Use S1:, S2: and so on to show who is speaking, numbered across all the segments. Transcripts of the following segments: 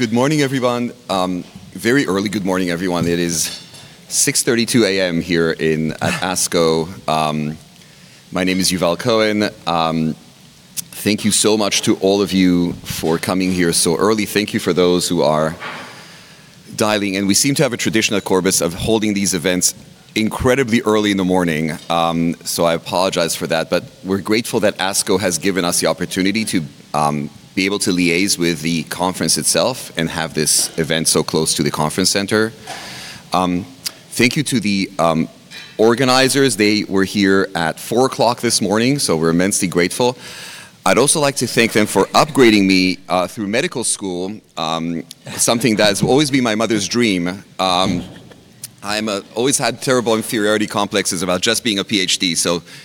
S1: Good morning, everyone. Very early good morning, everyone. It is 6:32 A.M. here at ASCO. My name is Yuval Cohen. Thank you so much to all of you for coming here so early. Thank you for those who are dialing in. We seem to have a tradition at Corbus of holding these events incredibly early in the morning, so I apologize for that. We're grateful that ASCO has given us the opportunity to be able to liaise with the conference itself and have this event so close to the conference center. Thank you to the organizers. They were here at 4:00 A.M. this morning, so we're immensely grateful. I'd also like to thank them for upgrading me through medical school, something that has always been my mother's dream. I always had terrible inferiority complexes about just being a PhD.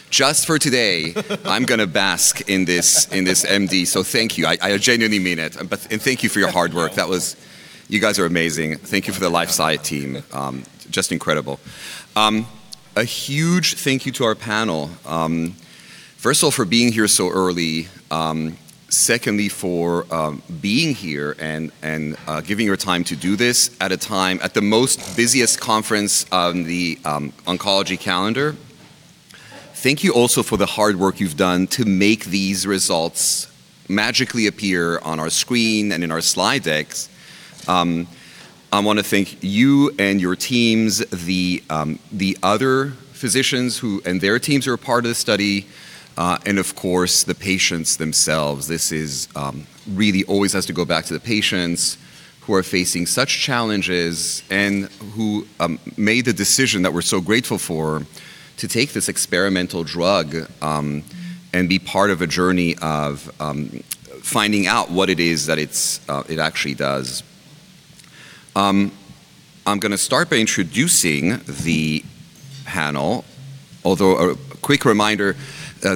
S1: Just for today, I'm going to bask in this MD. Thank you. I genuinely mean it. Thank you for your hard work. You guys are amazing. Thank you for the LifeSci team. Just incredible. A huge thank you to our panel. First of all, for being here so early. Secondly, for being here and giving your time to do this at a time at the most busiest conference on the oncology calendar. Thank you also for the hard work you've done to make these results magically appear on our screen and in our slide decks. I want to thank you and your teams, the other physicians and their teams who are a part of the study, and of course, the patients themselves. This really always has to go back to the patients who are facing such challenges and who made the decision that we're so grateful for, to take this experimental drug and be part of a journey of finding out what it is that it actually does. I'm going to start by introducing the panel, although a quick reminder,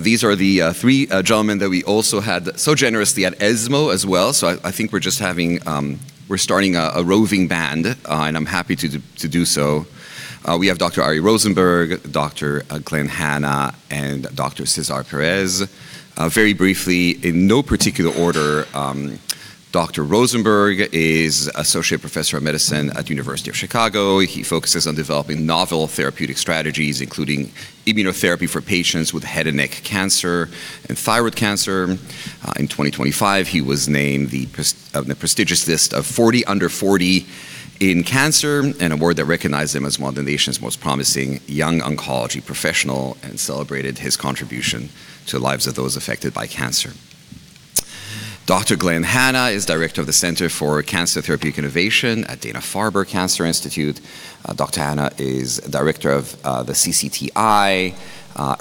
S1: these are the three gentlemen that we also had so generously at ESMO as well. I think we're starting a roving band. I'm happy to do so. We have Dr. Ari Rosenberg, Dr. Glenn Hanna, and Dr. Cesar Perez. Very briefly, in no particular order, Dr. Rosenberg is Associate Professor of Medicine at University of Chicago. He focuses on developing novel therapeutic strategies, including immunotherapy for patients with head and neck cancer and thyroid cancer. In 2025, he was named in the prestigious list of 40 Under 40 in Cancer, an award that recognized him as one of the nation's most promising young oncology professional, and celebrated his contribution to lives of those affected by cancer. Dr. Glenn Hanna is Director of the Center for Cancer Therapeutic Innovation at Dana-Farber Cancer Institute. Dr. Hanna is Director of the CCTI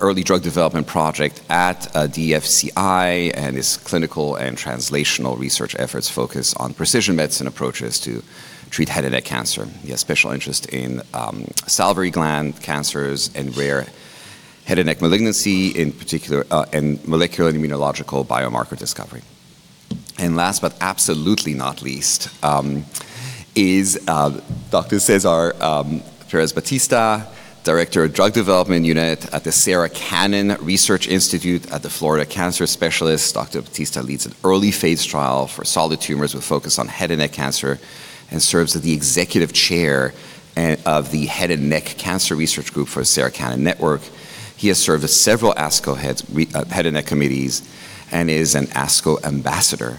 S1: Early Drug Development Project at DFCI, and his clinical and translational research efforts focus on precision medicine approaches to treat head and neck cancer. He has special interest in salivary gland cancers and rare head and neck malignancy, and molecular and immunological biomarker discovery. Last but absolutely not least is Dr. Cesar Perez Batista, Director of Drug Development Unit at the Sarah Cannon Research Institute at the Florida Cancer Specialists. Dr. Batista leads an early phase trial for solid tumors with focus on head and neck cancer, and serves as the Executive Chair of the Head and Neck Cancer Research Group for Sarah Cannon Cancer Network. He has served as several ASCO Head and Neck Committees and is an ASCO Ambassador.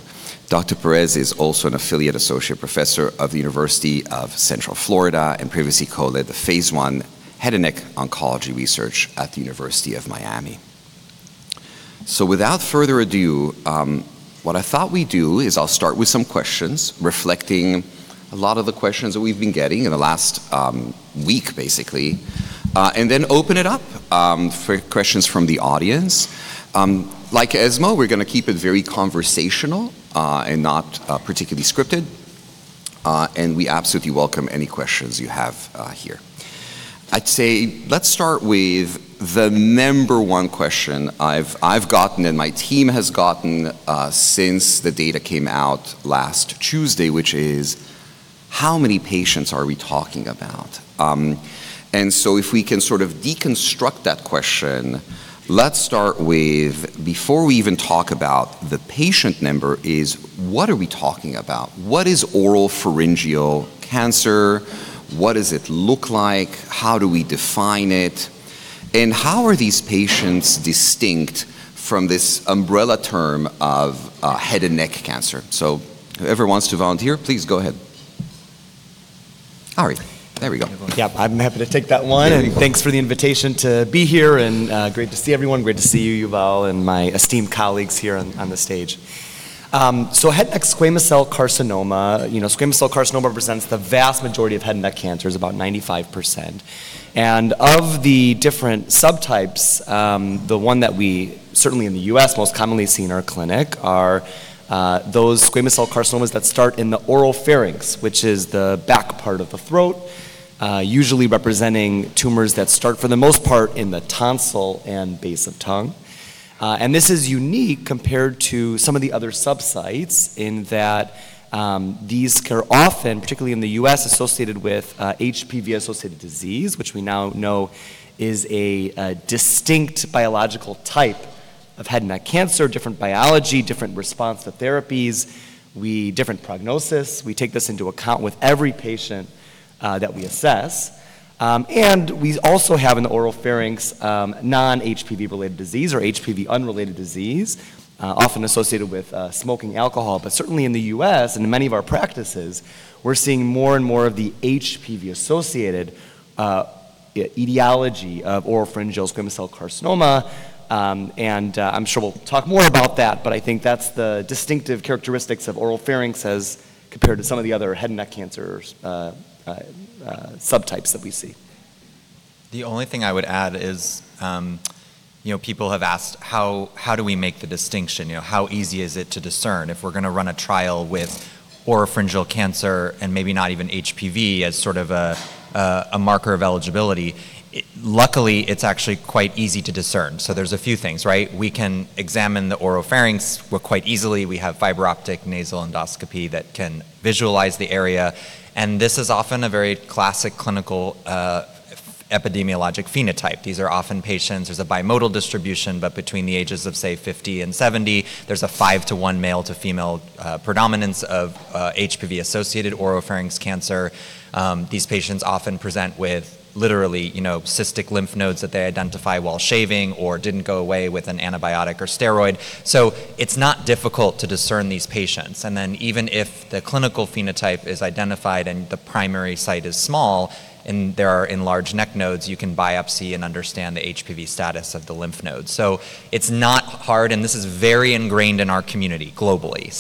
S1: Dr. Perez is also an Affiliate Associate Professor of the University of Central Florida, and previously co-led the phase I Head and Neck Oncology Research at the University of Miami. Without further ado, what I thought we'd do is I'll start with some questions reflecting a lot of the questions that we've been getting in the last week, basically. Open it up for questions from the audience. Like ESMO, we're going to keep it very conversational and not particularly scripted. We absolutely welcome any questions you have here. I'd say let's start with the number one question I've gotten and my team has gotten since the data came out last Tuesday, which is how many patients are we talking about? If we can sort of deconstruct that question, let's start with before we even talk about the patient number is, what are we talking about? What is oropharyngeal cancer? What does it look like? How do we define it? How are these patients distinct from this umbrella term of head and neck cancer? Whoever wants to volunteer, please go ahead. Ari, there we go.
S2: Yeah. I'm happy to take that one.
S1: There we go.
S2: Thanks for the invitation to be here, and great to see everyone. Great to see you, Yuval, and my esteemed colleagues here on the stage. Head and neck squamous cell carcinoma. Squamous cell carcinoma represents the vast majority of head and neck cancers, about 95%. Of the different subtypes, the one that we certainly in the U.S. most commonly see in our clinic are those squamous cell carcinomas that start in the oral pharynx, which is the back part of the throat, usually representing tumors that start, for the most part, in the tonsil and base of tongue. This is unique compared to some of the other subsites in that these are often, particularly in the U.S., associated with HPV-associated disease, which we now know is a distinct biological type of head and neck cancer, different biology, different response to therapies, different prognosis. We take this into account with every patient that we assess. We also have in the oropharynx non-HPV related disease or HPV unrelated disease, often associated with smoking, alcohol. Certainly in the U.S. and in many of our practices, we're seeing more and more of the HPV-associated etiology of oropharyngeal squamous cell carcinoma, and I'm sure we'll talk more about that, but I think that's the distinctive characteristics of oropharynx as compared to some of the other head and neck cancer subtypes that we see.
S3: The only thing I would add is, people have asked, how do we make the distinction? How easy is it to discern if we're going to run a trial with oropharyngeal cancer and maybe not even HPV as sort of a marker of eligibility. Luckily, it's actually quite easy to discern. There's a few things, right? We can examine the oropharynx quite easily. We have fiber-optic nasal endoscopy that can visualize the area, and this is often a very classic clinical epidemiologic phenotype. These are often patients, there's a bimodal distribution, but between the ages of, say, 50 and 70, there's a 5:1 male to female predominance of HPV-associated oropharynx cancer. These patients often present with literally, cystic lymph nodes that they identify while shaving or didn't go away with an antibiotic or steroid. It's not difficult to discern these patients. Even if the clinical phenotype is identified and the primary site is small and there are enlarged neck nodes, you can biopsy and understand the HPV status of the lymph nodes. It's not hard, and this is very ingrained in our community globally.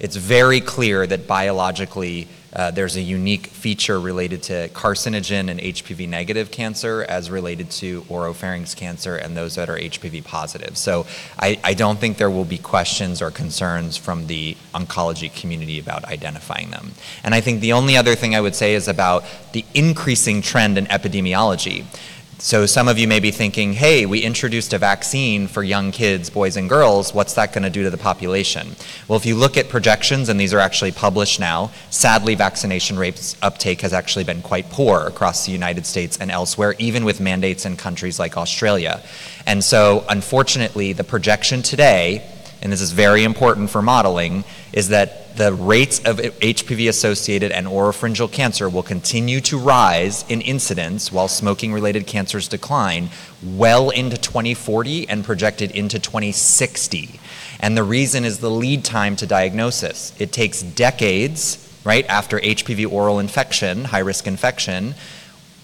S3: It's very clear that biologically, there's a unique feature related to carcinogen and HPV-negative cancer as related to oropharynx cancer and those that are HPV positive. I don't think there will be questions or concerns from the oncology community about identifying them. I think the only other thing I would say is about the increasing trend in epidemiology. Some of you may be thinking, "Hey, we introduced a vaccine for young kids, boys and girls. What's that going to do to the population?" Well, if you look at projections, and these are actually published now, sadly, vaccination rates uptake has actually been quite poor across the United States and elsewhere, even with mandates in countries like Australia. Unfortunately, the projection today, and this is very important for modeling, is that the rates of HPV-associated and oropharyngeal cancer will continue to rise in incidence while smoking-related cancers decline well into 2040 and projected into 2060. The reason is the lead time to diagnosis. It takes decades, right after HPV oral infection, high-risk infection,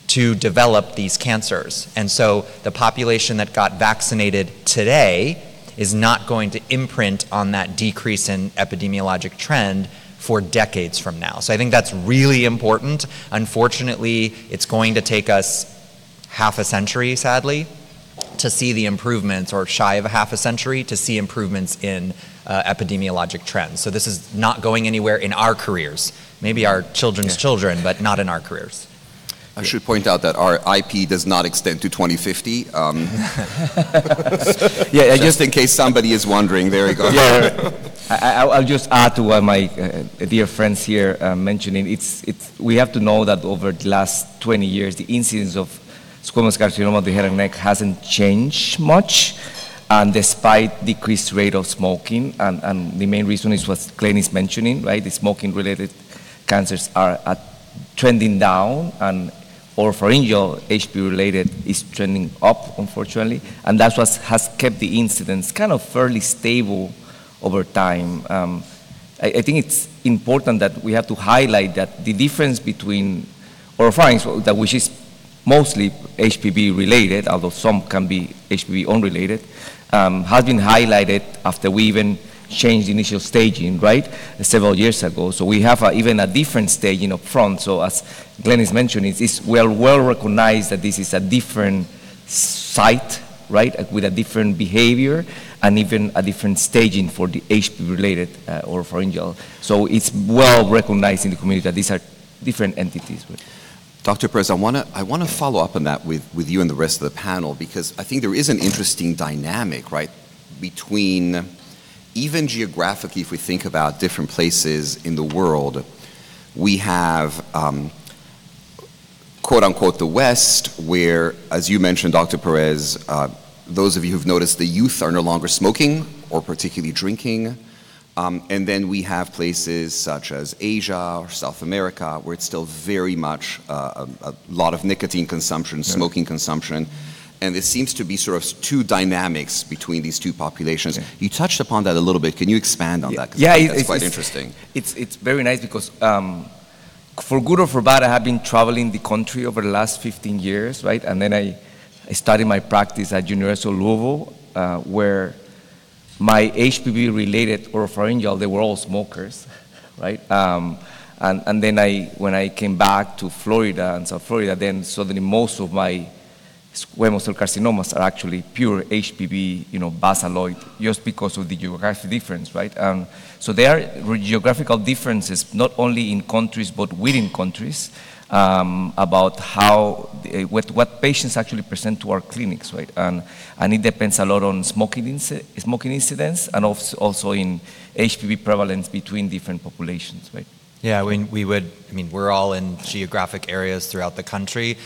S3: to develop these cancers. The population that got vaccinated today is not going to imprint on that decrease in epidemiologic trend for decades from now. I think that's really important. Unfortunately, it's going to take us half a century, sadly, to see the improvements, or shy of a half a century to see improvements in epidemiologic trends. This is not going anywhere in our careers. Maybe our children's children, but not in our careers.
S1: I should point out that our IP does not extend to 2050. Yeah, just in case somebody is wondering, there you go.
S4: Yeah. I'll just add to what my dear friend's here mentioning. We have to know that over the last 20 years, the incidence of squamous carcinoma of the head and neck hasn't changed much, despite decreased rate of smoking, the main reason is what Glenn is mentioning, right? The smoking-related cancers are trending down, oropharyngeal HPV-related is trending up, unfortunately. That's what has kept the incidence kind of fairly stable over time. I think it's important that we have to highlight that the difference between oropharynx, which is mostly HPV-related, although some can be HPV unrelated, has been highlighted after we even changed the initial staging, right, several years ago. We have even a different staging up front. As Glenn is mentioning, we'll recognize that this is a different site, right, with a different behavior and even a different staging for the HPV-related oropharyngeal. It's well recognized in the community that these are different entities.
S1: Dr. Perez, I want to follow up on that with you and the rest of the panel, because I think there is an interesting dynamic, right, between even geographically, if we think about different places in the world, we have, quote unquote, "The West," where, as you mentioned, Dr. Perez, those of you who've noticed the youth are no longer smoking or particularly drinking. We have places such as Asia or South America, where it's still very much a lot of nicotine consumption.
S4: Yeah.
S1: smoking consumption, and it seems to be sort of two dynamics between these two populations.
S4: Yeah.
S1: You touched upon that a little bit. Can you expand on that?
S4: Yeah.
S1: I think that's quite interesting.
S4: It's very nice because, for good or for bad, I have been traveling the country over the last 15 years, right? I started my practice at University of Louisville, where my HPV-related oropharyngeal, they were all smokers, right? When I came back to Florida and South Florida, then suddenly most of my squamous cell carcinomas are actually pure HPV basaloid just because of the geographic difference. There are geographical differences not only in countries, but within countries, about what patients actually present to our clinics. It depends a lot on smoking incidence and also in HPV prevalence between different populations.
S3: Yeah. We're all in geographic areas throughout the country.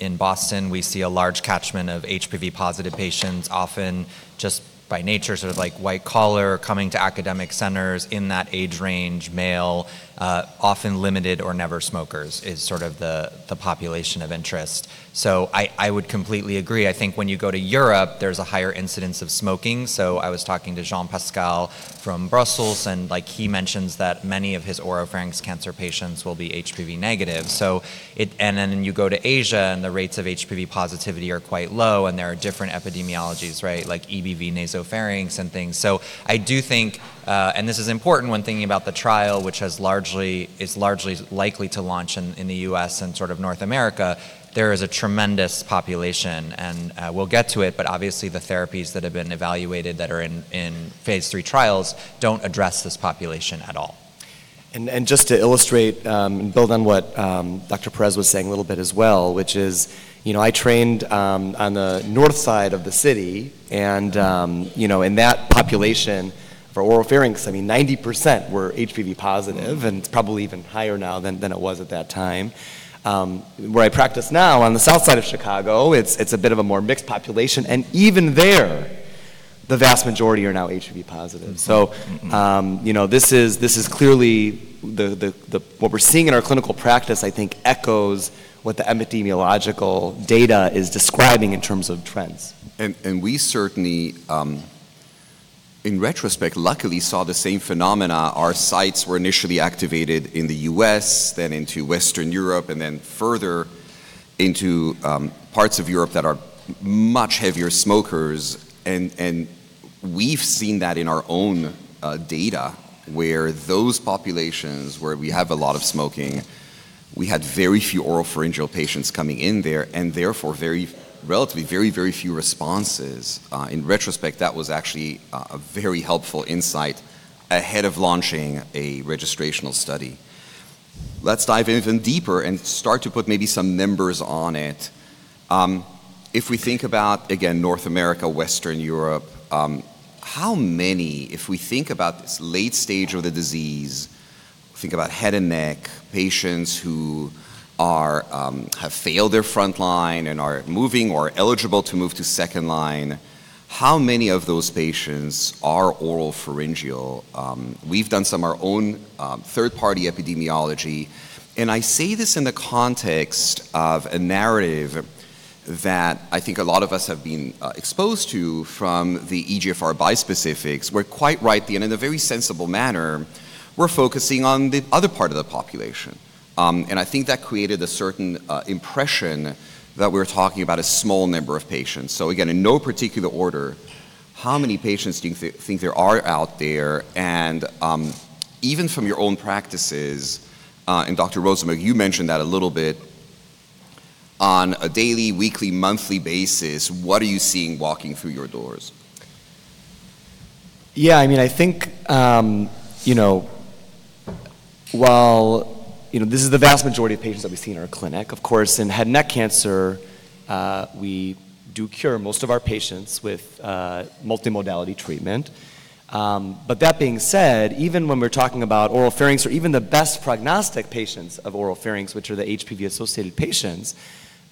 S3: In Boston, we see a large catchment of HPV-positive patients, often just by nature, white collar, coming to academic centers in that age range, male, often limited or never smokers is sort of the population of interest. I would completely agree. I think when you go to Europe, there's a higher incidence of smoking. I was talking to Jean-Pascal from Brussels, and he mentions that many of his oropharynx cancer patients will be HPV negative. You go to Asia, and the rates of HPV positivity are quite low, and there are different epidemiologies, like EBV nasopharynx and things. I do think, and this is important when thinking about the trial, which is largely likely to launch in the U.S. and North America, there is a tremendous population. We'll get to it, but obviously the therapies that have been evaluated that are in phase III trials don't address this population at all.
S2: Just to illustrate and build on what Dr. Perez was saying a little bit as well, which is I trained on the north side of the city, and in that population for oropharynx, 90% were HPV positive, and it's probably even higher now than it was at that time. Where I practice now on the south side of Chicago, it's a bit of a more mixed population, and even there, the vast majority are now HPV positive. What we're seeing in our clinical practice, I think echoes what the epidemiological data is describing in terms of trends.
S1: We certainly, in retrospect, luckily saw the same phenomena. Our sites were initially activated in the U.S., then into Western Europe, and then further into parts of Europe that are much heavier smokers. We've seen that in our own data where those populations where we have a lot of smoking, we had very few oropharyngeal patients coming in there, and therefore relatively very, very few responses. In retrospect, that was actually a very helpful insight ahead of launching a registrational study. Let's dive in even deeper and start to put maybe some numbers on it. If we think about, again, North America, Western Europe, if we think about this late stage of the disease, think about head and neck patients who have failed their frontline and are moving or eligible to move to second line, how many of those patients are oropharyngeal? We've done some of our own third-party epidemiology, I say this in the context of a narrative that I think a lot of us have been exposed to from the EGFR bispecifics, where quite rightly, and in a very sensible manner, we're focusing on the other part of the population. I think that created a certain impression that we're talking about a small number of patients. Again, in no particular order, how many patients do you think there are out there? Even from your own practices, Dr. Rosen, you mentioned that a little bit, on a daily, weekly, monthly basis, what are you seeing walking through your doors?
S2: Yeah. This is the vast majority of patients that we see in our clinic. Of course, in head and neck cancer, we do cure most of our patients with multimodality treatment. That being said, even when we're talking about oropharynx or even the best prognostic patients of oropharynx, which are the HPV-associated patients,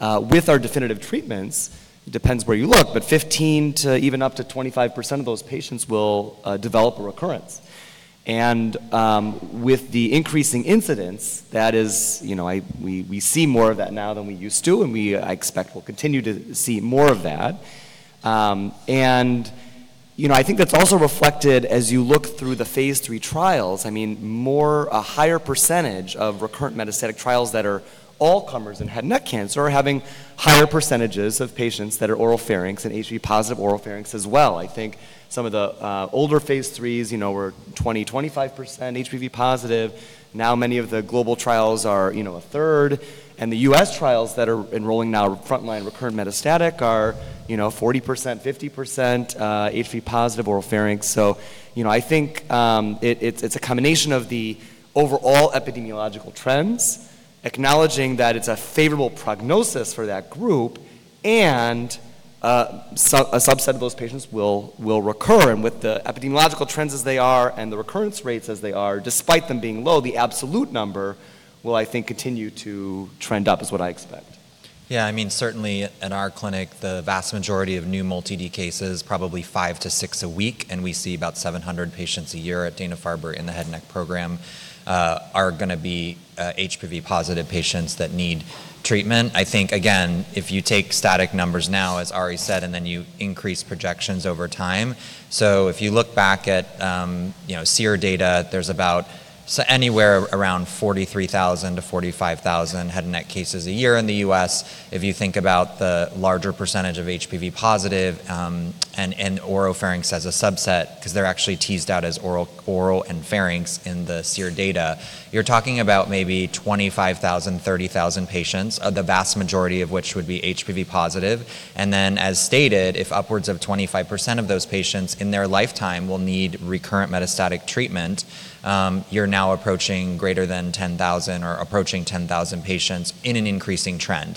S2: with our definitive treatments, it depends where you look, but 15% to even up to 25% of those patients will develop a recurrence. With the increasing incidence, we see more of that now than we used to, and we, I expect, will continue to see more of that. I think that's also reflected as you look through the phase III trials. A higher percentage of recurrent metastatic trials that are all comers in head and neck cancer are having higher percentages of patients that are oropharynx and HPV-positive oropharynx as well. I think some of the older phase IIIs were 20%, 25% HPV-positive. Many of the global trials are a third, and the U.S. trials that are enrolling now frontline recurrent metastatic are 40%, 50% HPV-positive oropharynx. I think it's a combination of the overall epidemiological trends, acknowledging that it's a favorable prognosis for that group, and a subset of those patients will recur. With the epidemiological trends as they are and the recurrence rates as they are, despite them being low, the absolute number will, I think, continue to trend up is what I expect.
S3: Yeah, certainly at our clinic, the vast majority of new multi-D cases, probably five to six a week, and we see about 700 patients a year at Dana-Farber in the head and neck program, are going to be HPV positive patients that need treatment. I think, again, if you take static numbers now, as Ari said, you increase projections over time. If you look back at SEER data, there's about anywhere around 43,000-45,000 head and neck cases a year in the U.S. If you think about the larger percentage of HPV positive, and oropharynx as a subset, because they're actually teased out as oral and pharynx in the SEER data. You're talking about maybe 25,000, 30,000 patients, the vast majority of which would be HPV positive. As stated, if upwards of 25% of those patients in their lifetime will need recurrent metastatic treatment, you're now approaching greater than 10,000 or approaching 10,000 patients in an increasing trend.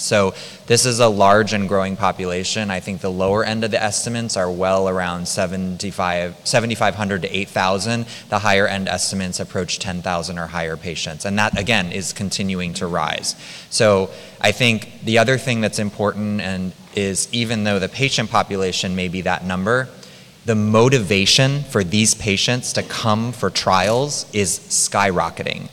S3: This is a large and growing population. I think the lower end of the estimates are well around 7,500-8,000. The higher-end estimates approach 10,000 or higher patients. That, again, is continuing to rise. I think the other thing that's important and is even though the patient population may be that number, the motivation for these patients to come for trials is skyrocketing.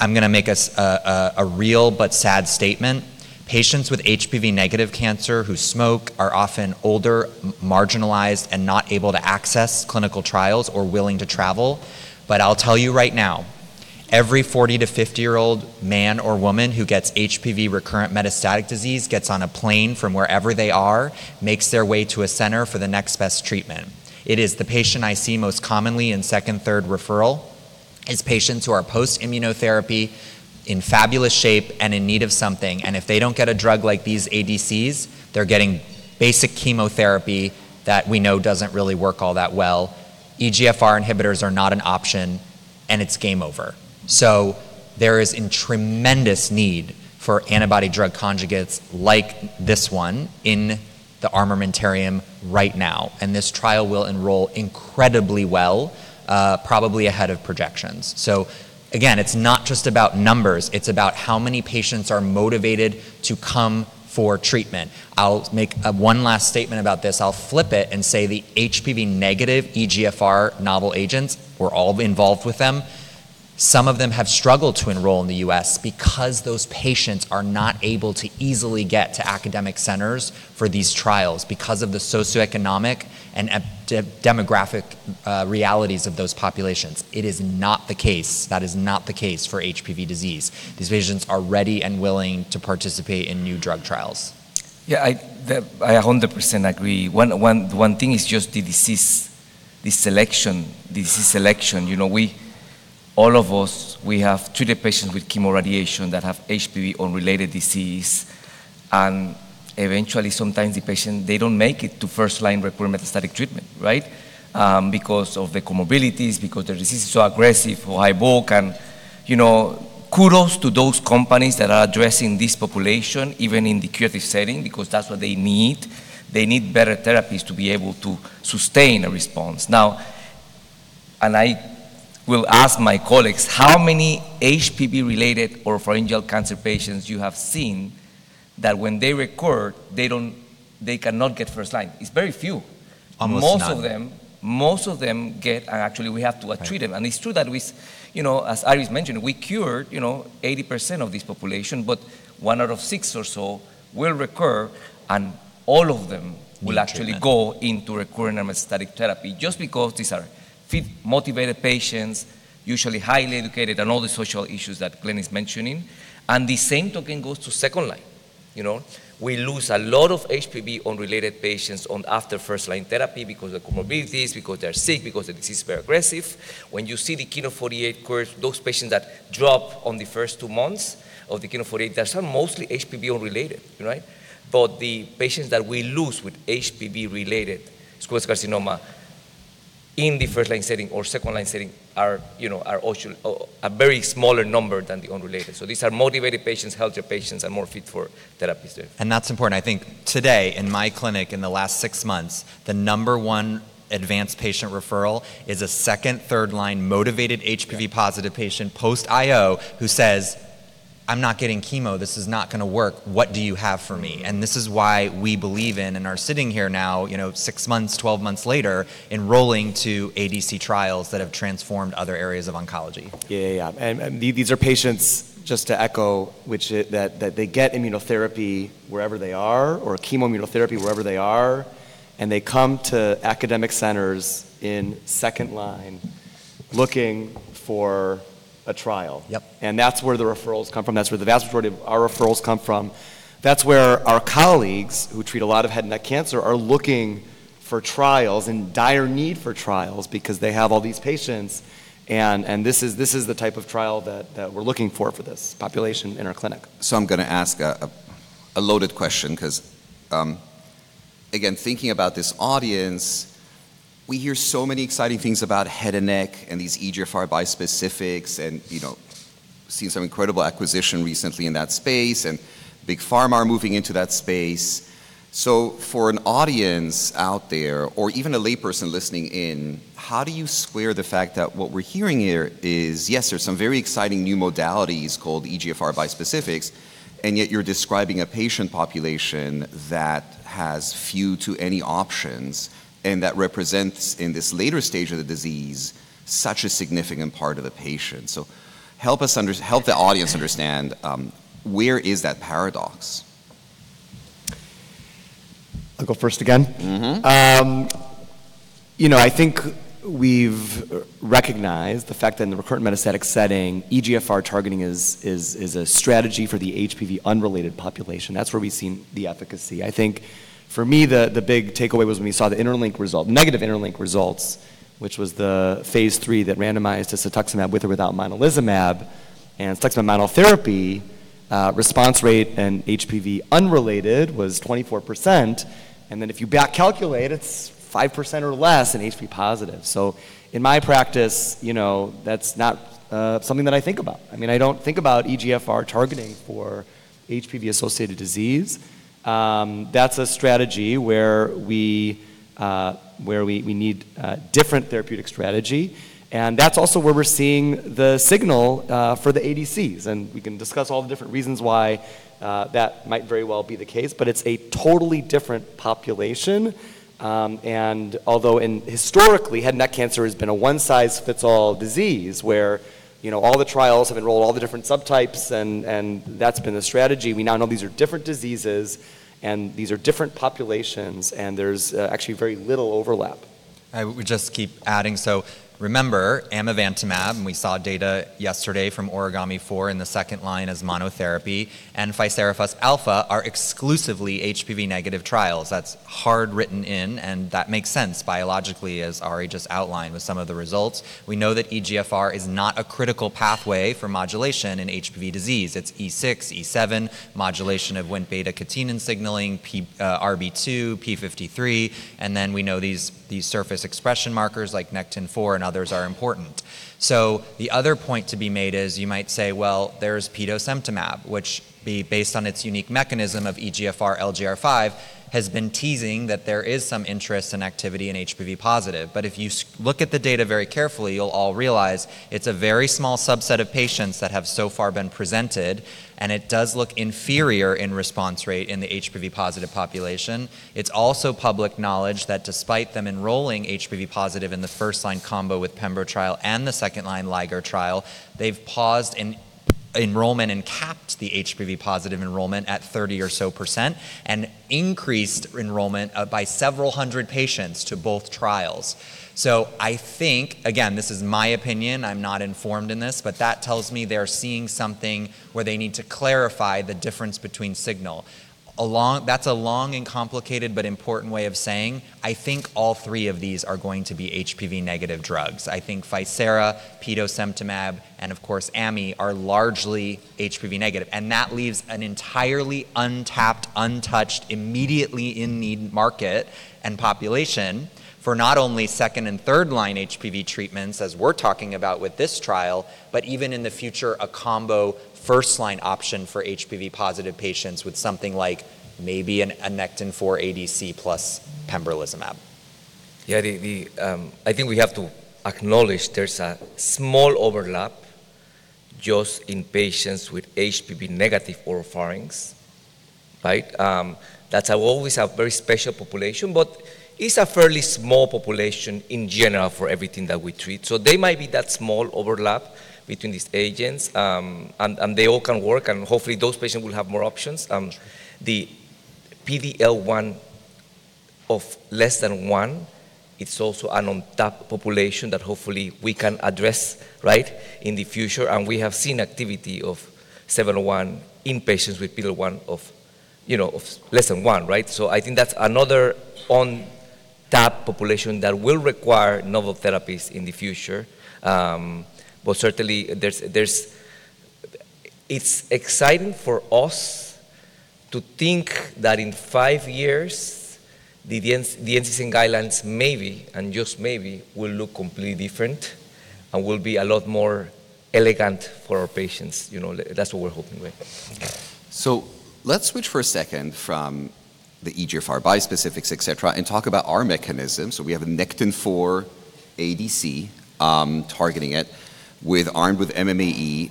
S3: I'm going to make a real but sad statement. Patients with HPV negative cancer who smoke are often older, marginalized, and not able to access clinical trials or willing to travel. I'll tell you right now, every 40-50 year-old man or woman who gets HPV recurrent metastatic disease gets on a plane from wherever they are, makes their way to a center for the next best treatment. It is the patient I see most commonly in second, third referral, is patients who are post-immunotherapy, in fabulous shape, and in need of something. If they don't get a drug like these ADCs, they're getting basic chemotherapy that we know doesn't really work all that well. EGFR inhibitors are not an option, and it's game over. There is a tremendous need for antibody drug conjugates like this one in the armamentarium right now, and this trial will enroll incredibly well, probably ahead of projections. Again, it's not just about numbers. It's about how many patients are motivated to come for treatment. I'll make one last statement about this. I'll flip it and say the HPV negative EGFR novel agents, we're all involved with them. Some of them have struggled to enroll in the U.S. because those patients are not able to easily get to academic centers for these trials because of the socioeconomic and demographic realities of those populations. It is not the case. That is not the case for HPV disease. These patients are ready and willing to participate in new drug trials.
S4: Yeah, I 100% agree. One thing is just the deselection. All of us, we have treated patients with chemoradiation that have HPV-unrelated disease, and eventually, sometimes the patient, they don't make it to first-line recurrent metastatic treatment. Because of the comorbidities, because their disease is so aggressive or high bulk. Kudos to those companies that are addressing this population, even in the curative setting, because that's what they need. They need better therapies to be able to sustain a response. Now, I will ask my colleagues how many HPV-related oropharyngeal cancer patients you have seen that when they recur, they cannot get first line. It's very few.
S3: Almost none.
S4: Actually we have to treat them. It's true that as Ari has mentioned, we cure 80% of this population, but one out of six or so will recur, and all of them will actually go into recurrent metastatic therapy. Just because these are fit, motivated patients, usually highly educated, and all the social issues that Glenn is mentioning. The same token goes to second line. We lose a lot of HPV-unrelated patients after first-line therapy because of comorbidities, because they're sick, because the disease is very aggressive. When you see the KN-048 curves, those patients that drop on the first two months of the KN-048, they are mostly HPV unrelated. The patients that we lose with HPV-related squamous carcinoma in the first-line setting or second-line setting are also a very smaller number than the unrelated. These are motivated patients, healthier patients, and more fit for therapies.
S3: That's important. I think today in my clinic in the last six months, the number one advanced patient referral is a second, third-line motivated HPV positive patient post-IO who says, "I'm not getting chemo. This is not going to work. What do you have for me?" This is why we believe in and are sitting here now, six months, 12 months later, enrolling to ADC trials that have transformed other areas of oncology.
S2: Yeah. These are patients, just to echo, that they get immunotherapy wherever they are or chemoimmunotherapy wherever they are, and they come to academic centers in second line looking for a trial.
S3: Yep.
S2: That's where the referrals come from. That's where the vast majority of our referrals come from. That's where our colleagues who treat a lot of head and neck cancer are looking for trials, in dire need for trials because they have all these patients, and this is the type of trial that we're looking for this population in our clinic.
S1: I'm going to ask a loaded question because, again, thinking about this audience, we hear so many exciting things about head and neck and these EGFR bispecifics and see some incredible acquisition recently in that space and big pharma moving into that space. For an audience out there, or even a layperson listening in, how do you square the fact that what we're hearing here is, yes, there's some very exciting new modalities called EGFR bispecifics, and yet you're describing a patient population that has few to any options, and that represents, in this later stage of the disease, such a significant part of the patient. Help the audience understand, where is that paradox?
S2: I'll go first again. I think we've recognized the fact that in the recurrent metastatic setting, EGFR targeting is a strategy for the HPV-unrelated population. That's where we've seen the efficacy. I think for me, the big takeaway was when we saw the negative INTERLINK-1 results, which was the phase III that randomized cetuximab with or without monalizumab. [Cetu] monotherapy response rate in HPV-unrelated was 24%. If you back calculate, it's 5% or less in HPV positive. In my practice, that's not something that I think about. I don't think about EGFR targeting for HPV-associated disease. That's a strategy where we need a different therapeutic strategy, and that's also where we're seeing the signal for the ADCs. We can discuss all the different reasons why that might very well be the case, but it's a totally different population. Although historically, head and neck cancer has been a one size fits all disease where all the trials have enrolled all the different subtypes and that's been the strategy, we now know these are different diseases, and these are different populations, and there's actually very little overlap.
S3: I would just keep adding. Remember, amivantamab, and we saw data yesterday from OrigAMI-4 in the second line as monotherapy, and ficerafusp alfa are exclusively HPV negative trials. That's hard written in, and that makes sense biologically, as Ari just outlined with some of the results. We know that EGFR is not a critical pathway for modulation in HPV disease. It's E6, E7, modulation of Wnt/β-catenin signaling, Rb, p53, and then we know these surface expression markers like Nectin-4 and others are important. The other point to be made is you might say, well, there's petosemtamab, which based on its unique mechanism of EGFR LGR5, has been teasing that there is some interest and activity in HPV positive. If you look at the data very carefully, you'll all realize it's a very small subset of patients that have so far been presented, and it does look inferior in response rate in the HPV positive population. It's also public knowledge that despite them enrolling HPV positive in the first-line combo with pembro trial and the second-line LiGeR trial, they've paused enrollment and capped the HPV positive enrollment at 30% or so and increased enrollment by several hundred patients to both trials. I think, again, this is my opinion, I'm not informed in this, that tells me they're seeing something where they need to clarify the difference between signal. That's a long and complicated but important way of saying I think all three of these are going to be HPV negative drugs. I think ficera, petosemtamab, and of course ami are largely HPV negative. That leaves an entirely untapped, untouched, immediately in-need market and population for not only second and third-line HPV treatments as we're talking about with this trial, but even in the future, a combo first-line option for HPV positive patients with something like maybe a Nectin-4 ADC plus pembrolizumab.
S4: Yeah. I think we have to acknowledge there's a small overlap just in patients with HPV-negative oropharynx. That's always a very special population, but it's a fairly small population in general for everything that we treat. They might be that small overlap between these agents, and they all can work, and hopefully those patients will have more options. The PD-L1 of less than one, it's also an untapped population that hopefully we can address in the future. We have seen activity of 701 in patients with PD-L1 of less than one. I think that's another untapped population that will require novel therapies in the future. Certainly it's exciting for us to think that in five years, the NCCN guidelines maybe, and just maybe, will look completely different and will be a lot more elegant for our patients. That's what we're hoping with.
S1: Let's switch for a second from the EGFR bispecifics, et cetera, and talk about our mechanism. We have a Nectin-4 ADC targeting it armed with MMAE.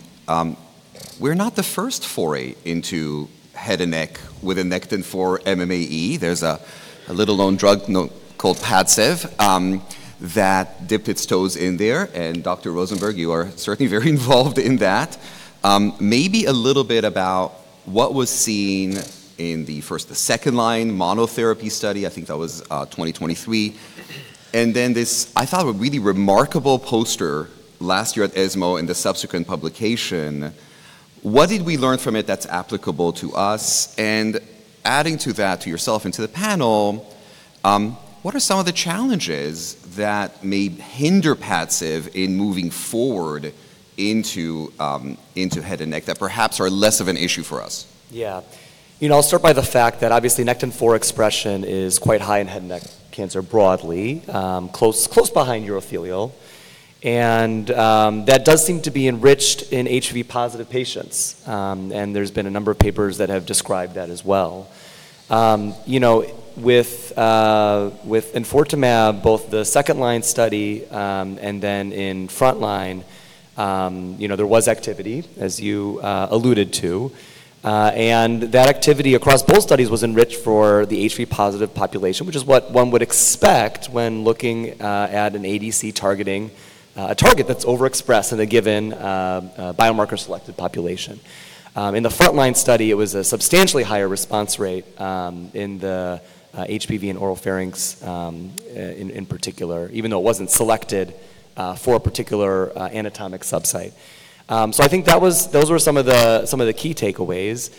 S1: We're not the first foray into head and neck with a Nectin-4 MMAE. There's a little-known drug called PADCEV that dipped its toes in there, and Dr. Rosenberg, you are certainly very involved in that. Maybe a little bit about what was seen in the first, the second line monotherapy study, I think that was 2023. This, I thought, a really remarkable poster last year at ESMO and the subsequent publication. What did we learn from it that's applicable to us? Adding to that, to yourself and to the panel, what are some of the challenges that may hinder PADCEV in moving forward into head and neck that perhaps are less of an issue for us?
S2: I'll start by the fact that obviously Nectin-4 expression is quite high in head and neck cancer broadly, close behind urothelial, and that does seem to be enriched in HPV-positive patients. There's been a number of papers that have described that as well. With enfortumab, both the second-line study and then in frontline, there was activity as you alluded to, and that activity across both studies was enriched for the HPV-positive population, which is what one would expect when looking at an ADC targeting a target that's overexpressed in a given biomarker-selected population. In the frontline study, it was a substantially higher response rate in the HPV and oropharynx in particular, even though it wasn't selected for a particular anatomic subsite. I think those were some of the key takeaways.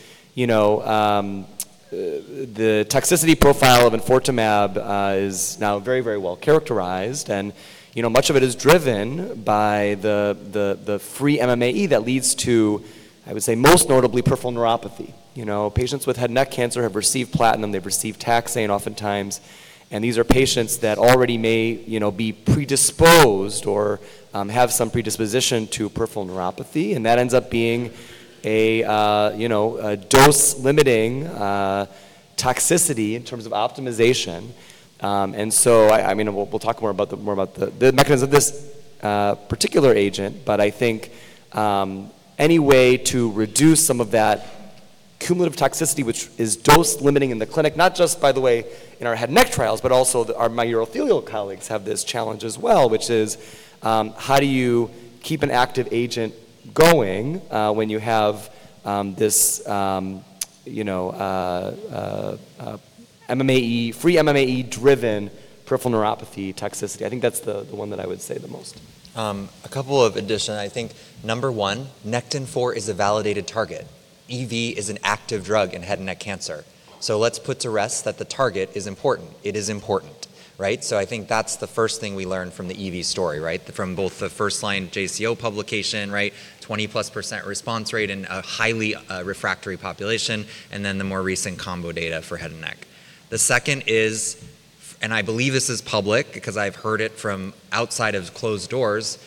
S2: The toxicity profile of enfortumab is now very well characterized, and much of it is driven by the free MMAE that leads to, I would say, most notably peripheral neuropathy. Patients with head and neck cancer have received platinum, they've received taxane oftentimes, and these are patients that already may be predisposed or have some predisposition to peripheral neuropathy, and that ends up being a dose-limiting toxicity in terms of optimization. We'll talk more about the mechanism of this particular agent, but I think any way to reduce some of that cumulative toxicity, which is dose-limiting in the clinic, not just by the way in our head and neck trials, but also my urothelial colleagues have this challenge as well, which is how do you keep an active agent going when you have this free MMAE-driven peripheral neuropathy toxicity? I think that's the one that I would say the most.
S3: A couple of additions. I think number one, Nectin-4 is a validated target. EV is an active drug in head and neck cancer. Let's put to rest that the target is important. It is important. I think that's the first thing we learn from the EV story. From both the first-line JCO publication, 20%+ response rate in a highly refractory population, and then the more recent combo data for head and neck. The second is, and I believe this is public because I've heard it from outside of closed doors,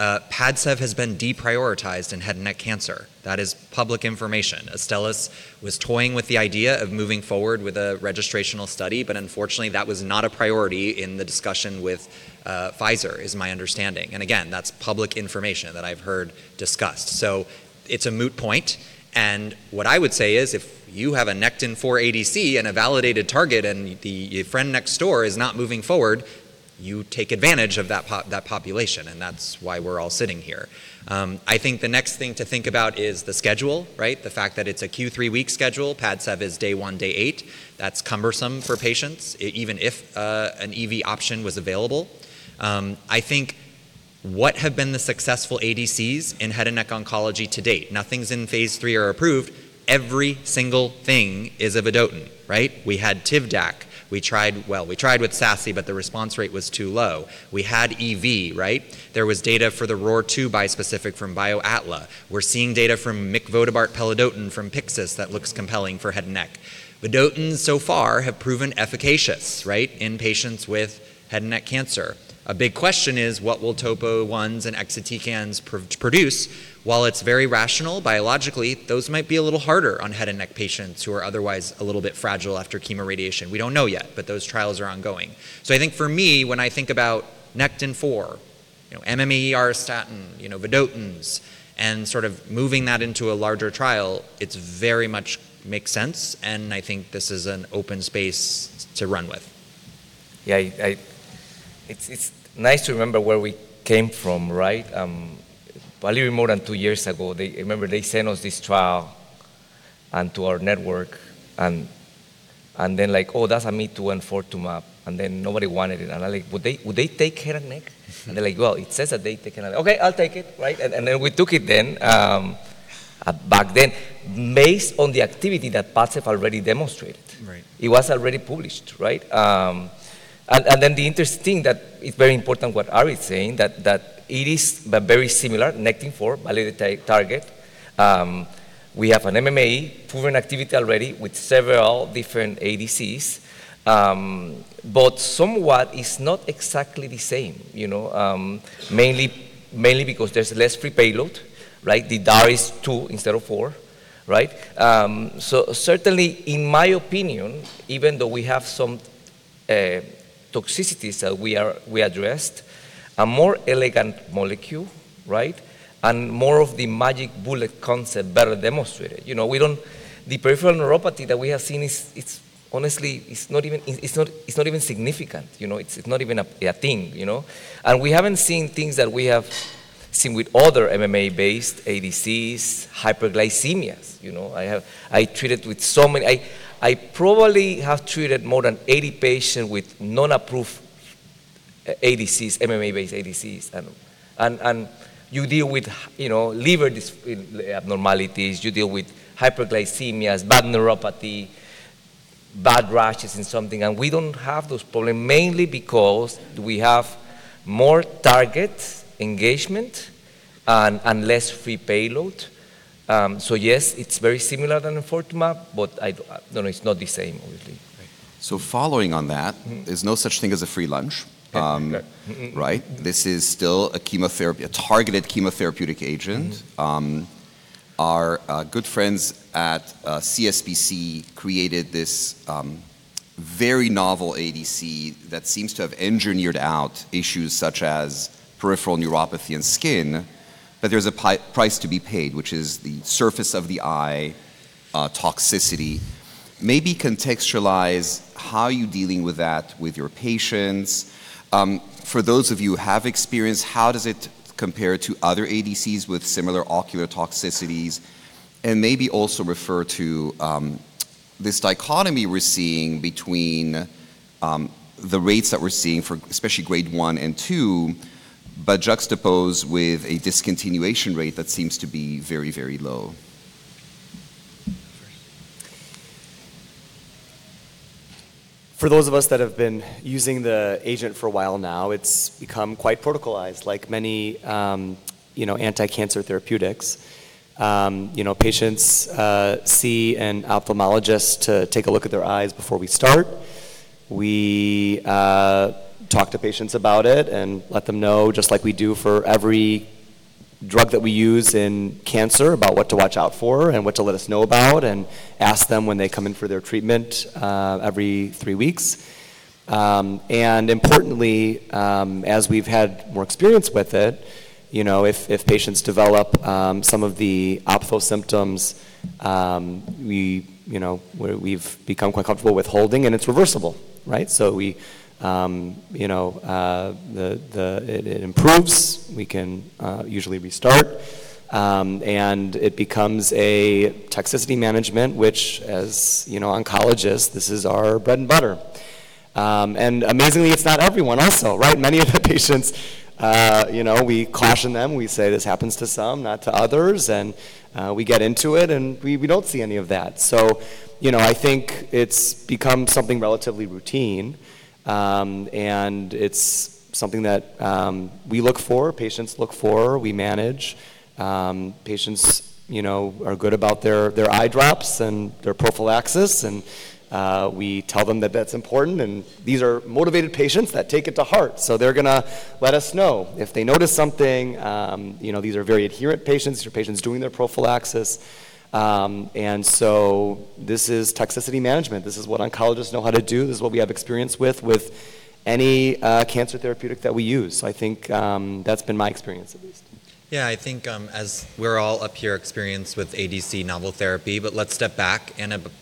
S3: PADCEV has been deprioritized in head and neck cancer. That is public information. Astellas was toying with the idea of moving forward with a registrational study, but unfortunately, that was not a priority in the discussion with Pfizer, is my understanding. Again, that's public information that I've heard discussed. It's a moot point, and what I would say is if you have a Nectin-4 ADC and a validated target and the friend next door is not moving forward, you take advantage of that population, and that's why we're all sitting here. I think the next thing to think about is the schedule. The fact that it's a Q3-week schedule. PADCEV is day one, day eight. That's cumbersome for patients, even if an EV option was available. I think what have been the successful ADCs in head and neck oncology to date? Nothing's in phase III or approved. Every single thing is a vedotin. We had Tivdak. We tried with [SASI], but the response rate was too low. We had EV. There was data for the ROR2 bispecific from BioAtla. We're seeing data from micvotabart pelidotin from Pyxis that looks compelling for head and neck. Vedotins so far have proven efficacious in patients with head and neck cancer. A big question is what will TOPO1s and [exatecans] produce? While it's very rational biologically, those might be a little harder on head and neck patients who are otherwise a little bit fragile after chemoradiation. We don't know yet, but those trials are ongoing. I think for me, when I think about Nectin-4, MMAE, auristatin, vedotins, and sort of moving that into a larger trial, it very much makes sense, and I think this is an open space to run with.
S4: Yeah. It's nice to remember where we came from. A little more than two years ago, I remember they sent us this trial and to our network and then like, "Oh, that's [AMID] to enfortumab," and then nobody wanted it. I was like, "Would they take head and neck?" They're like, "Well, it says that they take head and neck." "Okay, I'll take it." Then we took it then back then based on the activity that PADCEV already demonstrated.
S3: Right.
S4: It was already published. The interesting that it's very important what Ari's saying, that it is very similar, Nectin-4 validated target. We have an MMAE proven activity already with several different ADCs. Somewhat is not exactly the same, mainly because there's less free payload. The DAR is two instead of four. Certainly in my opinion, even though we have some toxicities that we addressed, a more elegant molecule and more of the magic bullet concept better demonstrated. The peripheral neuropathy that we have seen is honestly not even significant. It's not even a thing. We haven't seen things that we have seen with other MMAE-based ADCs, hyperglycemias. I probably have treated more than 80 patients with non-approved ADCs, MMAE-based ADCs, and you deal with liver abnormalities. You deal with hyperglycemias, bad neuropathy, bad rashes and something. We don't have those problems mainly because we have more target engagement and less free payload. Yes, it's very similar to enfortumab, no, it's not the same.
S1: Following on that, there's no such thing as a free lunch.
S2: Yeah, correct. Mm-hmm.
S1: Right? This is still a targeted chemotherapeutic agent. Our good friends at CSPC created this very novel ADC that seems to have engineered out issues such as peripheral neuropathy and skin, but there's a price to be paid, which is the surface of the eye toxicity. Maybe contextualize how you're dealing with that with your patients. For those of you who have experience, how does it compare to other ADCs with similar ocular toxicities? Maybe also refer to this dichotomy we're seeing between the rates that we're seeing for especially Grade 1 and 2, but juxtaposed with a discontinuation rate that seems to be very low.
S2: For those of us that have been using the agent for a while now, it's become quite protocolized, like many anti-cancer therapeutics. Patients see an ophthalmologist to take a look at their eyes before we start. We talk to patients about it and let them know, just like we do for every drug that we use in cancer, about what to watch out for and what to let us know about, and ask them when they come in for their treatment every three weeks. Importantly, as we've had more experience with it, if patients develop some of the ophthal symptoms we've become quite comfortable withholding, and it's reversible. It improves. We can usually restart, and it becomes a toxicity management, which as oncologists, this is our bread and butter. Amazingly, it's not everyone also. Many of the patients, we caution them. We say this happens to some, not to others. We get into it, and we don't see any of that. I think it's become something relatively routine, and it's something that we look for, patients look for, we manage. Patients are good about their eye drops and their prophylaxis, and we tell them that that's important, and these are motivated patients that take it to heart, so they're going to let us know if they notice something. These are very adherent patients. These are patients doing their prophylaxis. This is toxicity management. This is what oncologists know how to do. This is what we have experience with any cancer therapeutic that we use. I think that's been my experience at least.
S3: I think as we're all up here experienced with ADC novel therapy, but let's step back.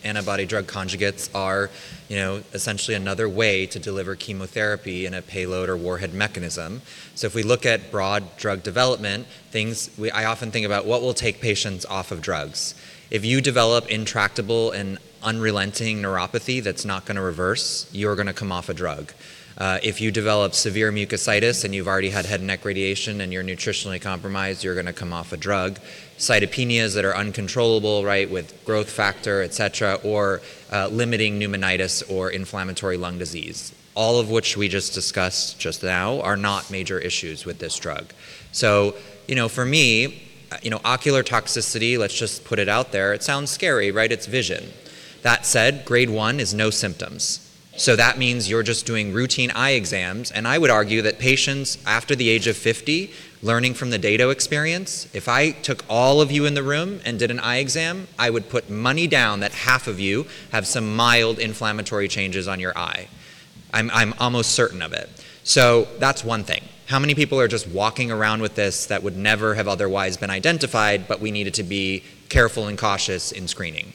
S3: Antibody drug conjugates are essentially another way to deliver chemotherapy in a payload or warhead mechanism. If we look at broad drug development, I often think about what will take patients off of drugs. If you develop intractable and unrelenting neuropathy that's not going to reverse, you're going to come off a drug. If you develop severe mucositis and you've already had head and neck radiation and you're nutritionally compromised, you're going to come off a drug. Cytopenias that are uncontrollable with growth factor, et cetera, or limiting pneumonitis or inflammatory lung disease, all of which we just discussed just now are not major issues with this drug. For me, ocular toxicity, let's just put it out there. It sounds scary. It's vision. That said, Grade 1 is no symptoms. That means you're just doing routine eye exams, and I would argue that patients after the age of 50, learning from the dato experience, if I took all of you in the room and did an eye exam, I would put money down that half of you have some mild inflammatory changes on your eye. I'm almost certain of it. That's one thing. How many people are just walking around with this that would never have otherwise been identified, but we needed to be careful and cautious in screening?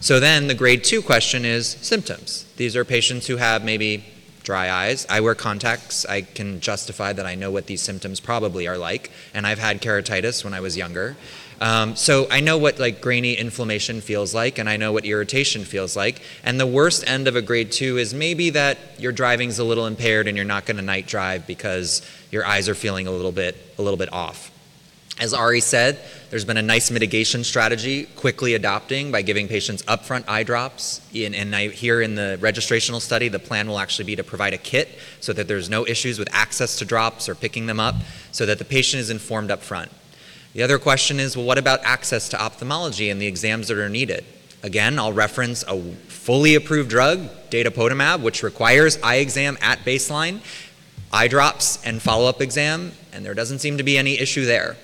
S3: The Grade 2 question is symptoms. These are patients who have maybe dry eyes. I wear contacts. I can justify that I know what these symptoms probably are like, and I've had keratitis when I was younger. I know what grainy inflammation feels like, and I know what irritation feels like. The worst end of a Grade 2 is maybe that your driving's a little impaired and you're not going to night drive because your eyes are feeling a little bit off. As Ari said, there's been a nice mitigation strategy, quickly adopting by giving patients upfront eye drops. Here in the registrational study, the plan will actually be to provide a kit so that there's no issues with access to drops or picking them up so that the patient is informed upfront. The other question is, well, what about access to ophthalmology and the exams that are needed? Again, I'll reference a fully approved drug, datopotamab, which requires eye exam at baseline, eye drops, and follow-up exam, and there doesn't seem to be any issue there.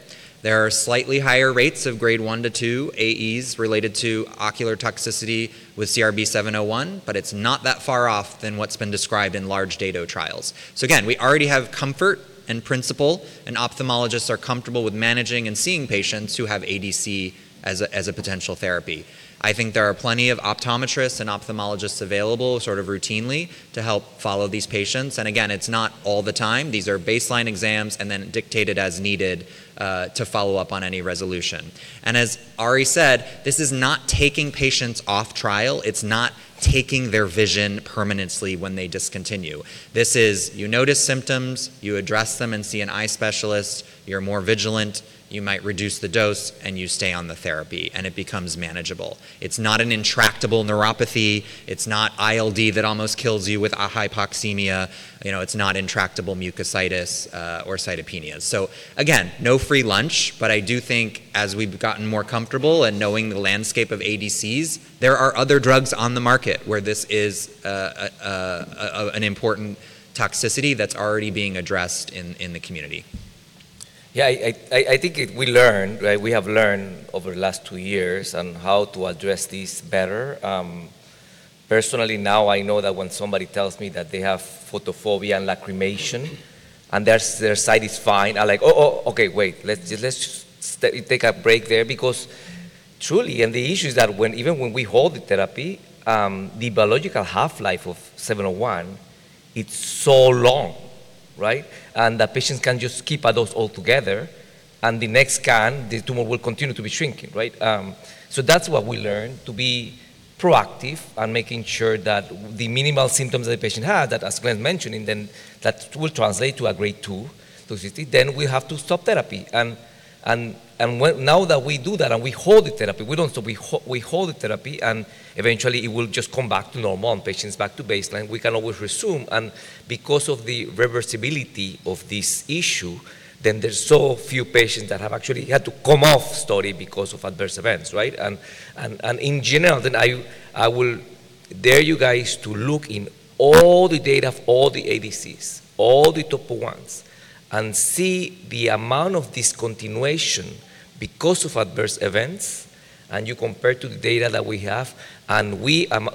S3: There are slightly higher rates of Grade 1 to 2 AEs related to ocular toxicity with CRB-701, it's not that far off than what's been described in large dato trials. Again, we already have comfort and principle, and ophthalmologists are comfortable with managing and seeing patients who have ADC as a potential therapy. I think there are plenty of optometrists and ophthalmologists available routinely to help follow these patients. Again, it's not all the time. These are baseline exams dictated as needed to follow up on any resolution. As Ari said, this is not taking patients off trial. It's not taking their vision permanently when they discontinue. This is you notice symptoms, you address them, and see an eye specialist. You're more vigilant. You might reduce the dose, and you stay on the therapy, and it becomes manageable. It's not an intractable neuropathy. It's not ILD that almost kills you with hypoxemia. It's not intractable mucositis or cytopenias. Again, no free lunch, but I do think as we've gotten more comfortable and knowing the landscape of ADCs, there are other drugs on the market where this is an important toxicity that's already being addressed in the community.
S4: Yeah, I think we have learned over the last two years on how to address this better. Personally, now I know that when somebody tells me that they have photophobia and lacrimation and their sight is fine, I'm like, "Oh, okay. Wait, let's just take a break there." Truly, the issue is that even when we hold the therapy, the biological half-life of 701, it's so long, right? That patients can just skip a dose altogether, and the next scan, the tumor will continue to be shrinking. That's what we learned, to be proactive and making sure that the minimal symptoms that the patient had, that as Glenn's mentioning, then that will translate to a Grade 2 toxicity, then we have to stop therapy. Now that we do that and we hold the therapy, we don't stop, we hold the therapy, and eventually it will just come back to normal and patient's back to baseline, we can always resume. Because of the reversibility of this issue, then there's so few patients that have actually had to come off study because of adverse events. In general then, I will dare you guys to look in all the data of all the ADCs, all the TOPO1s, and see the amount of discontinuation because of adverse events, and you compare to the data that we have, and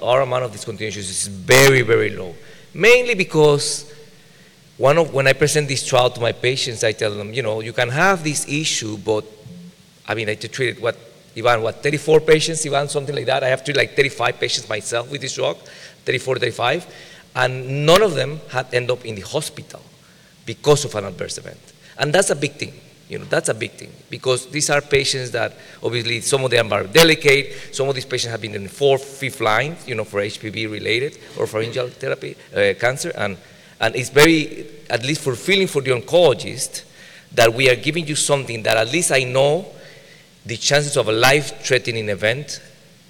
S4: our amount of discontinuations is very, very low. Mainly because when I present this trial to my patients, I tell them, "You can have this issue," but I treated, what, Yuval? What, 34 patients, Yuval? Something like that. I have treated 35 patients myself with this drug, 34, 35, none of them had end up in the hospital because of an adverse event. That's a big thing. That's a big thing, because these are patients that obviously some of them are delicate. Some of these patients have been in fourth, fifth line, for HPV-related or for anti-angiogenic therapy cancer. It's very, at least fulfilling for the oncologist that we are giving you something that at least I know the chances of a life-threatening event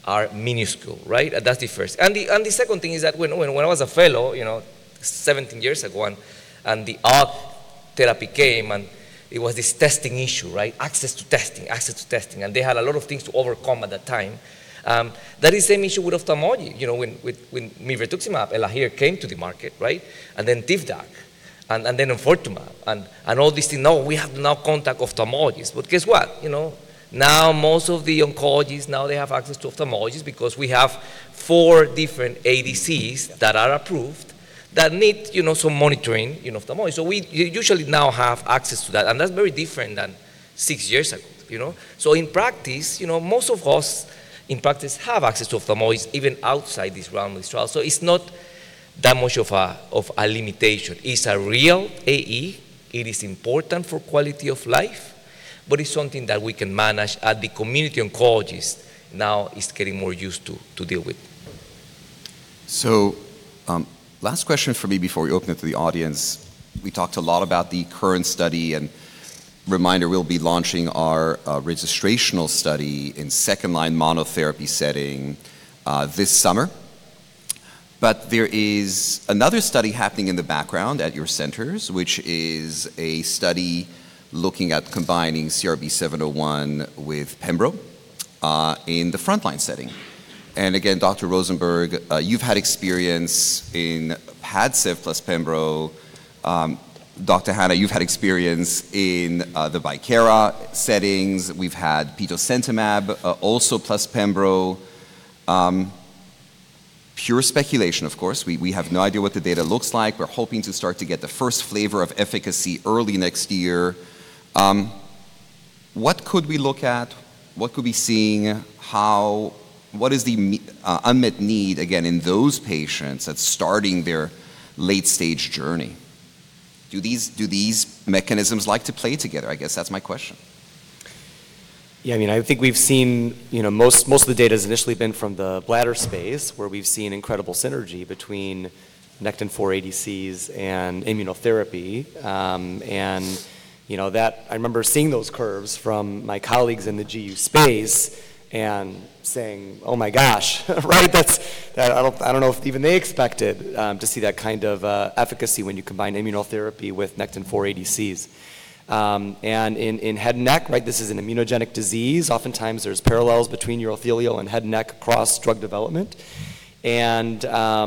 S4: are minuscule. That's the first. The second thing is that when I was a fellow, 17 years ago, the CAR-T therapy came, it was this testing issue. Access to testing. They had a lot of things to overcome at that time. That is same issue with ophthalmology, with rituximab. [Elahere] came to the market. Tivdak. [rovoltuma], and all these things. Now we have no contact ophthalmologists. Guess what? Now most of the oncologists now they have access to ophthalmologists because we have four different ADCs that are approved that need some monitoring, ophthalmology. We usually now have access to that, and that's very different than six years ago. In practice, most of us, in practice, have access to ophthalmologists even outside this random trial. It's not that much of a limitation. It's a real AE. It is important for quality of life, but it's something that we can manage and the community oncologists now is getting more used to deal with.
S1: Last question from me before we open it to the audience. We talked a lot about the current study and reminder, we'll be launching our registrational study in second-line monotherapy setting this summer. There is another study happening in the background at your centers, which is a study looking at combining CRB-701 with pembro, in the frontline setting. Again, Dr. Rosenberg, you've had experience in PADCEV plus pembro. Dr. Hanna, you've had experience in the Bicara settings. We've had petosemtamab also plus pembro. Pure speculation, of course. We have no idea what the data looks like. We're hoping to start to get the first flavor of efficacy early next year. What could we look at? What could we seeing? What is the unmet need, again, in those patients that's starting their late-stage journey? Do these mechanisms like to play together? I guess that's my question.
S4: Yeah, I think we've seen most of the data's initially been from the bladder space, where we've seen incredible synergy between Nectin-4 ADCs and immunotherapy. I remember seeing those curves from my colleagues in the GU space and saying, "Oh, my gosh." Right? I don't know if even they expected to see that kind of efficacy when you combine immunotherapy with Nectin-4 ADCs. In head neck, this is an immunogenic disease. Oftentimes, there's parallels between urothelial and head neck cross drug development. I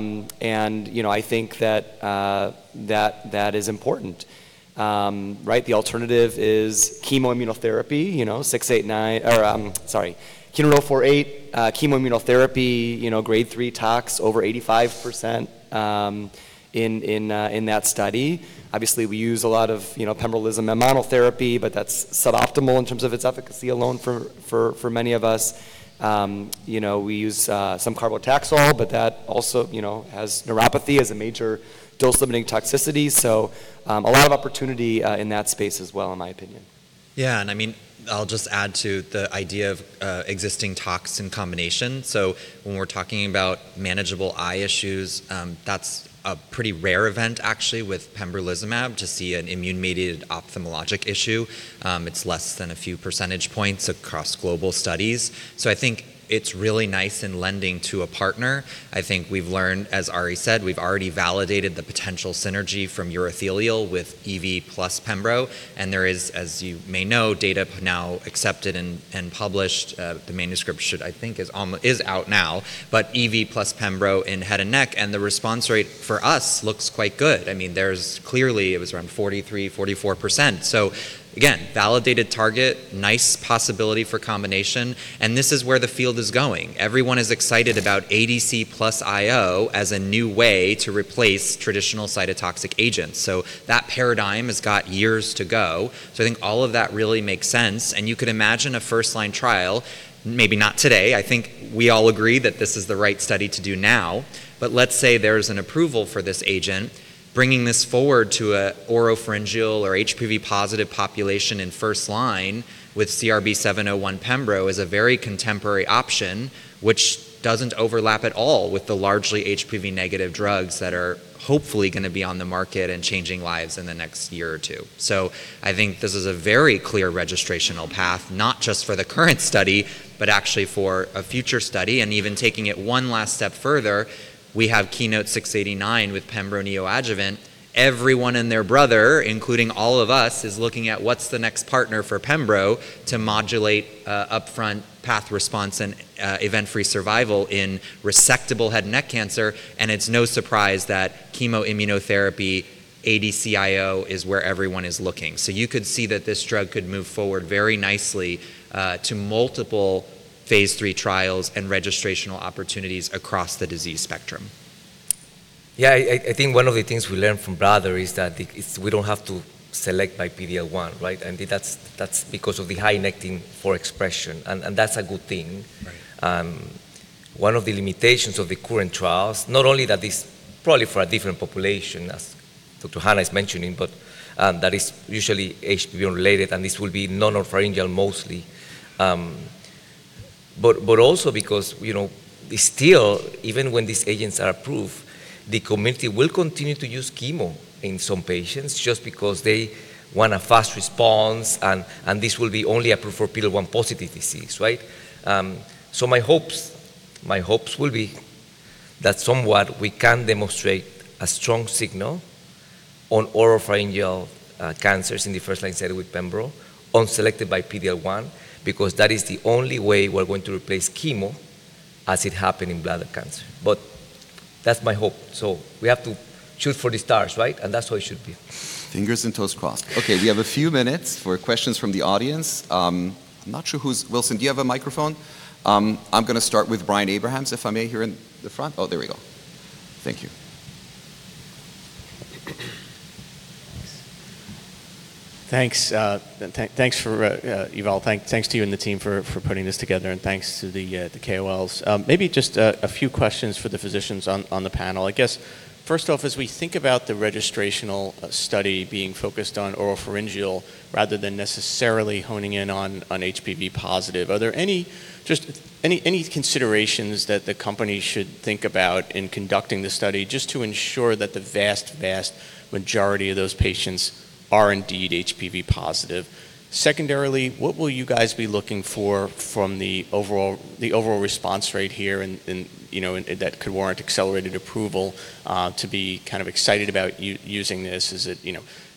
S4: think that is important. The alternative is chemoimmunotherapy, [KEYNOTE]-048 chemoimmunotherapy, Grade 3 tox over 85% in that study. Obviously, we use a lot of pembrolizumab monotherapy, but that's suboptimal in terms of its efficacy alone for many of us. We use some carboplatin, but that also has neuropathy as a major dose-limiting toxicity. A lot of opportunity in that space as well, in my opinion.
S3: I'll just add to the idea of existing tox in combination. When we're talking about manageable eye issues, that's a pretty rare event actually with pembrolizumab to see an immune-mediated ophthalmologic issue. It's less than a few percentage points across global studies. I think it's really nice in lending to a partner. I think we've learned, as Ari said, we've already validated the potential synergy from urothelial with EV plus pembro, and there is, as you may know, data now accepted and published. The manuscript I think is out now. EV plus pembro in head and neck, the response rate for us looks quite good. There's clearly, it was around 43%-44%. Again, validated target, nice possibility for combination. This is where the field is going. Everyone is excited about ADC plus IO as a new way to replace traditional cytotoxic agents. That paradigm has got years to go. I think all of that really makes sense, and you could imagine a first-line trial, maybe not today. I think we all agree that this is the right study to do now, but let's say there's an approval for this agent, bringing this forward to a oropharyngeal or HPV-positive population in first-line with CRB-701 pembro is a very contemporary option, which doesn't overlap at all with the largely HPV-negative drugs that are hopefully going to be on the market and changing lives in the next year or two. I think this is a very clear registrational path, not just for the current study, but actually for a future study, and even taking it one last step further, we have KEYNOTE-689 with pembro neoadjuvant. Everyone and their brother, including all of us, is looking at what's the next partner for pembro to modulate upfront path response and event-free survival in resectable head and neck cancer. It's no surprise that chemoimmunotherapy ADC-IO is where everyone is looking. You could see that this drug could move forward very nicely to multiple phase III trials and registrational opportunities across the disease spectrum.
S4: Yeah, I think one of the things we learned from bladder is that we don't have to select by PD-L1, right? That's because of the high Nectin-4 expression, and that's a good thing.
S3: Right.
S4: One of the limitations of the current trials, not only that this probably for a different population as Dr. Hanna is mentioning, but that is usually HPV-related, and this will be non-oropharyngeal mostly. Also because still, even when these agents are approved, the committee will continue to use chemo in some patients just because they want a fast response, and this will be only approved for PD-L1-positive disease, right? My hopes will be that somewhat we can demonstrate a strong signal on oropharyngeal cancers in the first-line setting with pembro unselected by PD-L1 because that is the only way we're going to replace chemo as it happened in bladder cancer. That's my hope. That's how it should be.
S1: Fingers and toes crossed. Okay, we have a few minutes for questions from the audience. I'm not sure Wilson, do you have a microphone? I'm going to start with Brian Abrahams, if I may, here in the front. Oh, there we go. Thank you.
S5: Thanks. Thanks, Yuval. Thanks to you and the team for putting this together, and thanks to the KOLs. Maybe just a few questions for the physicians on the panel. I guess first off, as we think about the registrational study being focused on oropharyngeal rather than necessarily honing in on HPV positive, are there any considerations that the company should think about in conducting the study just to ensure that the vast majority of those patients are indeed HPV positive? What will you guys be looking for from the overall response rate here and that could warrant accelerated approval to be kind of excited about using this? Is it 30%,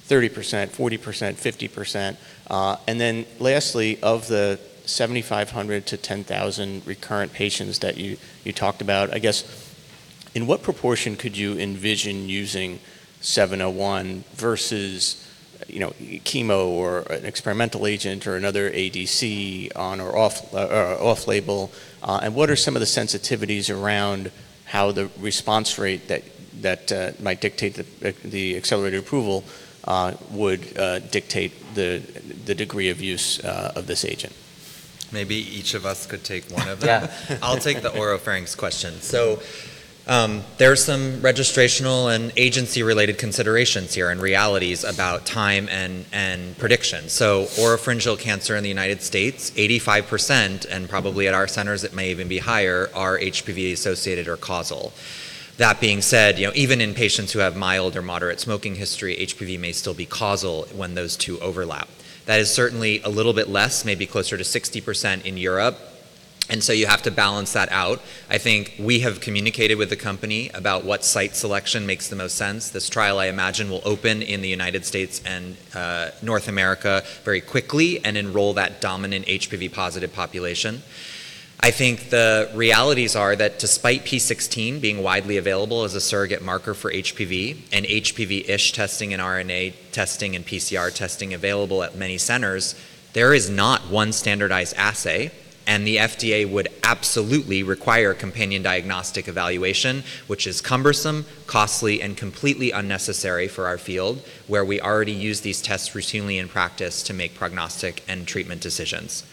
S5: 40%, 50%? Lastly, of the 7,500-10,000 recurrent patients that you talked about, I guess, in what proportion could you envision using 701 versus chemo or an experimental agent or another ADC on or off label? What are some of the sensitivities around how the response rate that might dictate the accelerated approval would dictate the degree of use of this agent?
S3: Maybe each of us could take one of them.
S4: Yeah.
S3: I'll take the oropharynx question. There's some registrational and agency-related considerations here and realities about time and prediction. Oropharyngeal cancer in the United States, 85% and probably at our centers it may even be higher, are HPV-associated or causal. That being said, even in patients who have mild or moderate smoking history, HPV may still be causal when those two overlap. That is certainly a little bit less, maybe closer to 60% in Europe. You have to balance that out. I think we have communicated with the company about what site selection makes the most sense. This trial, I imagine, will open in the United States and North America very quickly and enroll that dominant HPV-positive population. I think the realities are that despite P16 being widely available as a surrogate marker for HPV and HPV-ish testing and RNA testing and PCR testing available at many centers, there is not one standardized assay, and the FDA would absolutely require companion diagnostic evaluation, which is cumbersome, costly, and completely unnecessary for our field, where we already use these tests routinely in practice to make prognostic and treatment decisions.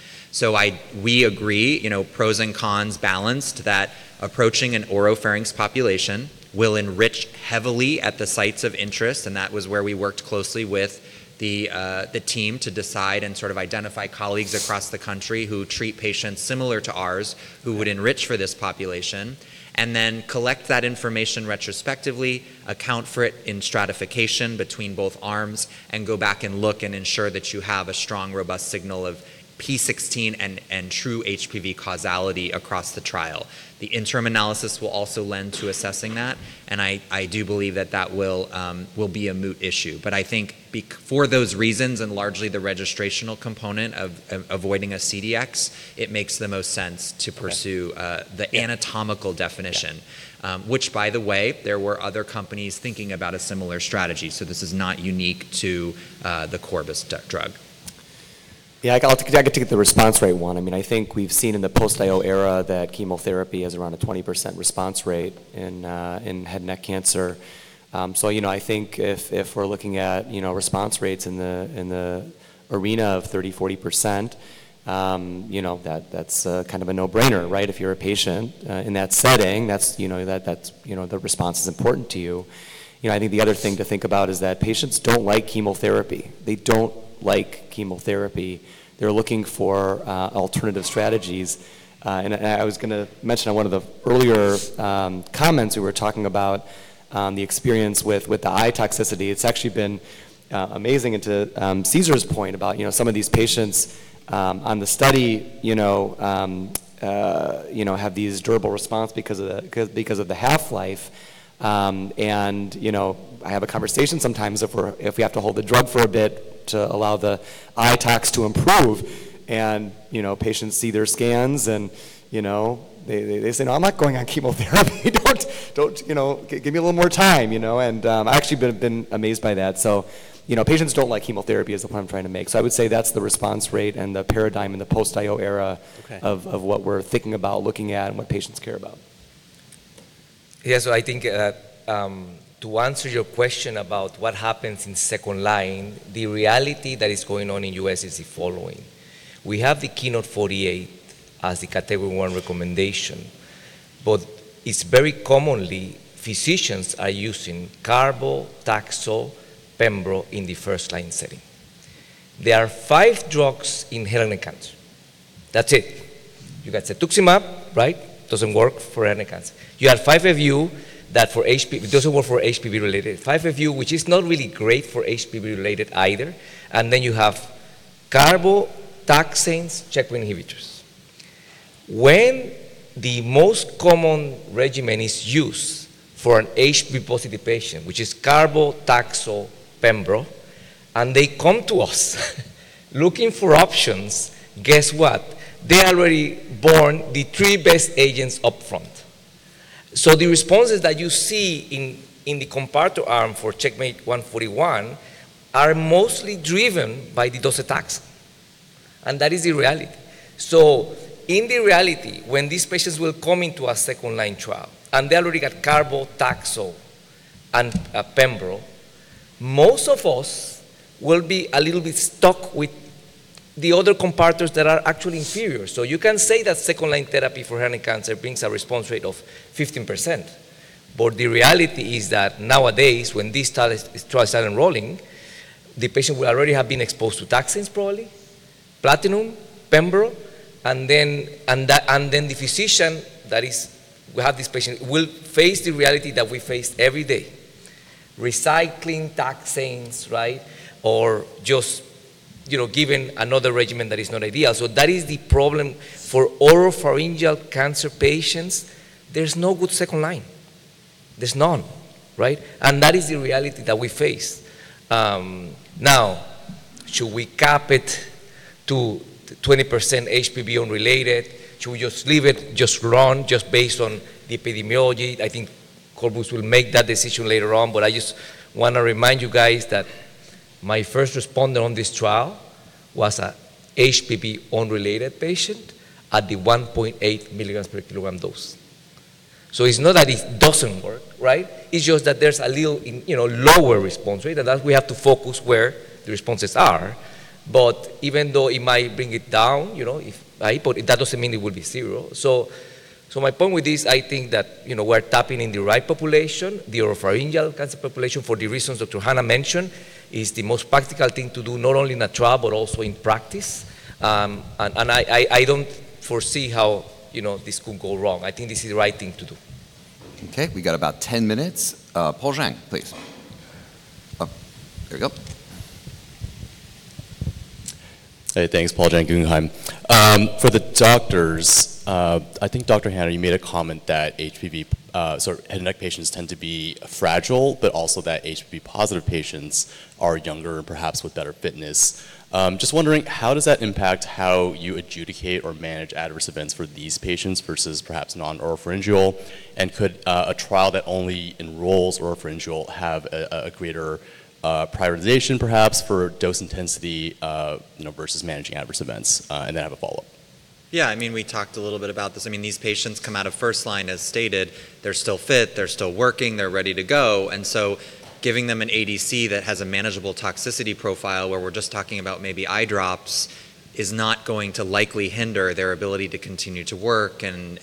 S3: We agree, pros and cons balanced, that approaching an oropharynx population will enrich heavily at the sites of interest, and that was where we worked closely with the team to decide and identify colleagues across the country who treat patients similar to ours, who would enrich for this population, and then collect that information retrospectively, account for it in stratification between both arms, and go back and look and ensure that you have a strong, robust signal of P16 and true HPV causality across the trial. The interim analysis will also lend to assessing that, and I do believe that that will be a moot issue. I think for those reasons and largely the registrational component of avoiding a CDx, it makes the most sense to pursue the anatomical definition. Which, by the way, there were other companies thinking about a similar strategy. This is not unique to the Corbus drug.
S2: Yeah. I could take the response rate one. I think we've seen in the post-IO era that chemotherapy has around a 20% response rate in head and neck cancer. I think if we're looking at response rates in the arena of 30%, 40%, that's kind of a no-brainer, right? If you're a patient in that setting, the response is important to you. I think the other thing to think about is that patients don't like chemotherapy. They don't like chemotherapy. They're looking for alternative strategies. I was going to mention on one of the earlier comments, we were talking about the experience with the eye toxicity. It's actually been amazing. To Cesar's point about some of these patients on the study have this durable response because of the half-life. I have a conversation sometimes if we have to hold the drug for a bit to allow the eye tox to improve, and patients see their scans and they say, "No, I'm not going on chemotherapy. Give me a little more time." I actually have been amazed by that. Patients don't like chemotherapy is the point I'm trying to make. I would say that's the response rate and the paradigm in the post-IO era.
S3: Okay.
S2: of what we're thinking about, looking at, and what patients care about.
S4: Yeah. I think to answer your question about what happens in second-line, the reality that is going on in U.S. is the following. We have the KEYNOTE-048 as the Category 1 recommendation, but it's very commonly physicians are using carbo, TAXOL, pembro in the first-line setting. There are five drugs in head and neck cancer. That's it. You got cetuximab, right? Doesn't work for head and neck cancer. You have 5-FU that doesn't work for HPV-related. 5-FU, which is not really great for HPV-related either. You have carbo, taxanes, checkpoint inhibitors. When the most common regimen is used for an HPV-positive patient, which is carbo, TAXOL, pembro, and they come to us looking for options, guess what? They already burned the three best agents up front. The responses that you see in the comparator arm for CheckMate 141 are mostly driven by the docetaxel, and that is the reality. In the reality, when these patients will come into a second-line trial and they already got carbo, TAXOL, and pembro, most of us will be a little bit stuck with the other comparators that are actually inferior. You can say that second-line therapy for head and neck cancer brings a response rate of 15%, but the reality is that nowadays when these trials are enrolling, the patient will already have been exposed to taxanes probably, platinum, pembro, the physician that will have this patient will face the reality that we face every day. Recycling taxanes, right? Just giving another regimen that is not ideal. That is the problem for oropharyngeal cancer patients. There's no good second line. There's none, right? That is the reality that we face. Should we cap it to 20% HPV unrelated? Should we just leave it, just run, just based on the epidemiology? I think Corbus will make that decision later on, but I just want to remind you guys that my first responder on this trial was a HPV-unrelated patient at the 1.8 milligrams per kilogram dose. It's not that it doesn't work, right? It's just that there's a little lower response rate, and thus we have to focus where the responses are. Even though it might bring it down, right? That doesn't mean it will be zero. My point with this, I think that we're tapping in the right population, the oropharyngeal cancer population for the reasons that Hanna mentioned, is the most practical thing to do, not only in a trial, but also in practice. I don't foresee how this could go wrong. I think this is the right thing to do.
S1: Okay. We got about 10 minutes. Paul Jeng, please. Oh, there we go.
S6: Hey, thanks. Paul Jeng, Guggenheim. For the doctors, I think Dr. Hanna, you made a comment that head and neck patients tend to be fragile, but also that HPV-positive patients are younger and perhaps with better fitness. Just wondering, how does that impact how you adjudicate or manage adverse events for these patients versus perhaps non-oropharyngeal? Could a trial that only enrolls oropharyngeal have a greater prioritization perhaps for dose intensity versus managing adverse events? I have a follow-up.
S3: Yeah. We talked a little bit about this. These patients come out of first line as stated. They're still fit, they're still working, they're ready to go. Giving them an ADC that has a manageable toxicity profile where we're just talking about maybe eye drops is not going to likely hinder their ability to continue to work and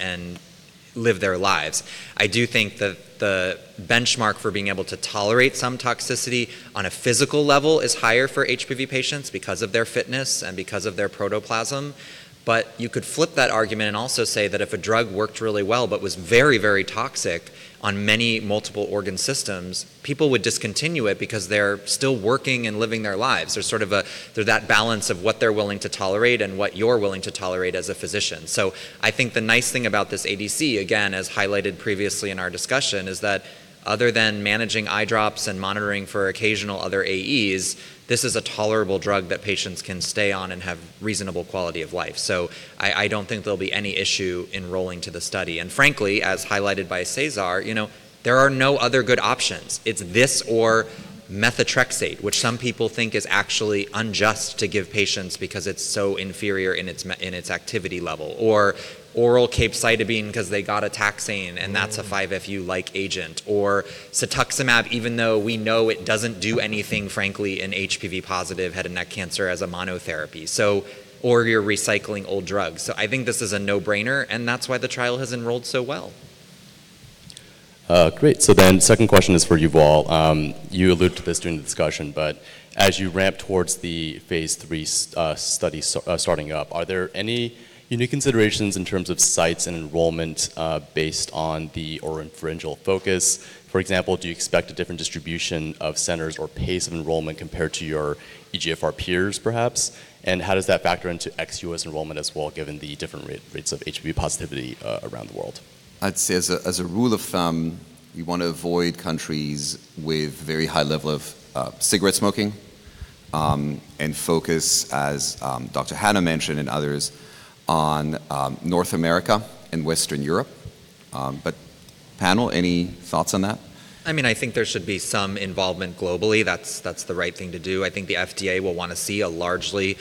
S3: live their lives. I do think that the benchmark for being able to tolerate some toxicity on a physical level is higher for HPV patients because of their fitness and because of their protoplasm. You could flip that argument and also say that if a drug worked really well but was very toxic on many multiple organ systems, people would discontinue it because they're still working and living their lives. There's that balance of what they're willing to tolerate and what you're willing to tolerate as a physician. I think the nice thing about this ADC, again, as highlighted previously in our discussion, is that other than managing eye drops and monitoring for occasional other AEs, this is a tolerable drug that patients can stay on and have reasonable quality of life. I don't think there'll be any issue enrolling to the study. Frankly, as highlighted by Cesar, there are no other good options. It's this or methotrexate, which some people think is actually unjust to give patients because it's so inferior in its activity level, or oral capecitabine because they got a taxane, and that's a 5-FU-like agent, or cetuximab, even though we know it doesn't do anything, frankly, in HPV positive head and neck cancer as a monotherapy. You're recycling old drugs. I think this is a no-brainer, and that's why the trial has enrolled so well.
S6: Great. Second question is for Yuval. You alluded to this during the discussion, as you ramp towards the phase III study starting up, are there any unique considerations in terms of sites and enrollment based on the oropharyngeal focus? For example, do you expect a different distribution of centers or pace of enrollment compared to your EGFR peers perhaps? How does that factor into ex-US enrollment as well, given the different rates of HPV positivity around the world?
S1: I'd say as a rule of thumb, you want to avoid countries with very high level of cigarette smoking and focus, as Dr. Hanna mentioned and others, on North America and Western Europe. Panel, any thoughts on that?
S3: I think there should be some involvement globally. That's the right thing to do. I think the FDA will want to see a largely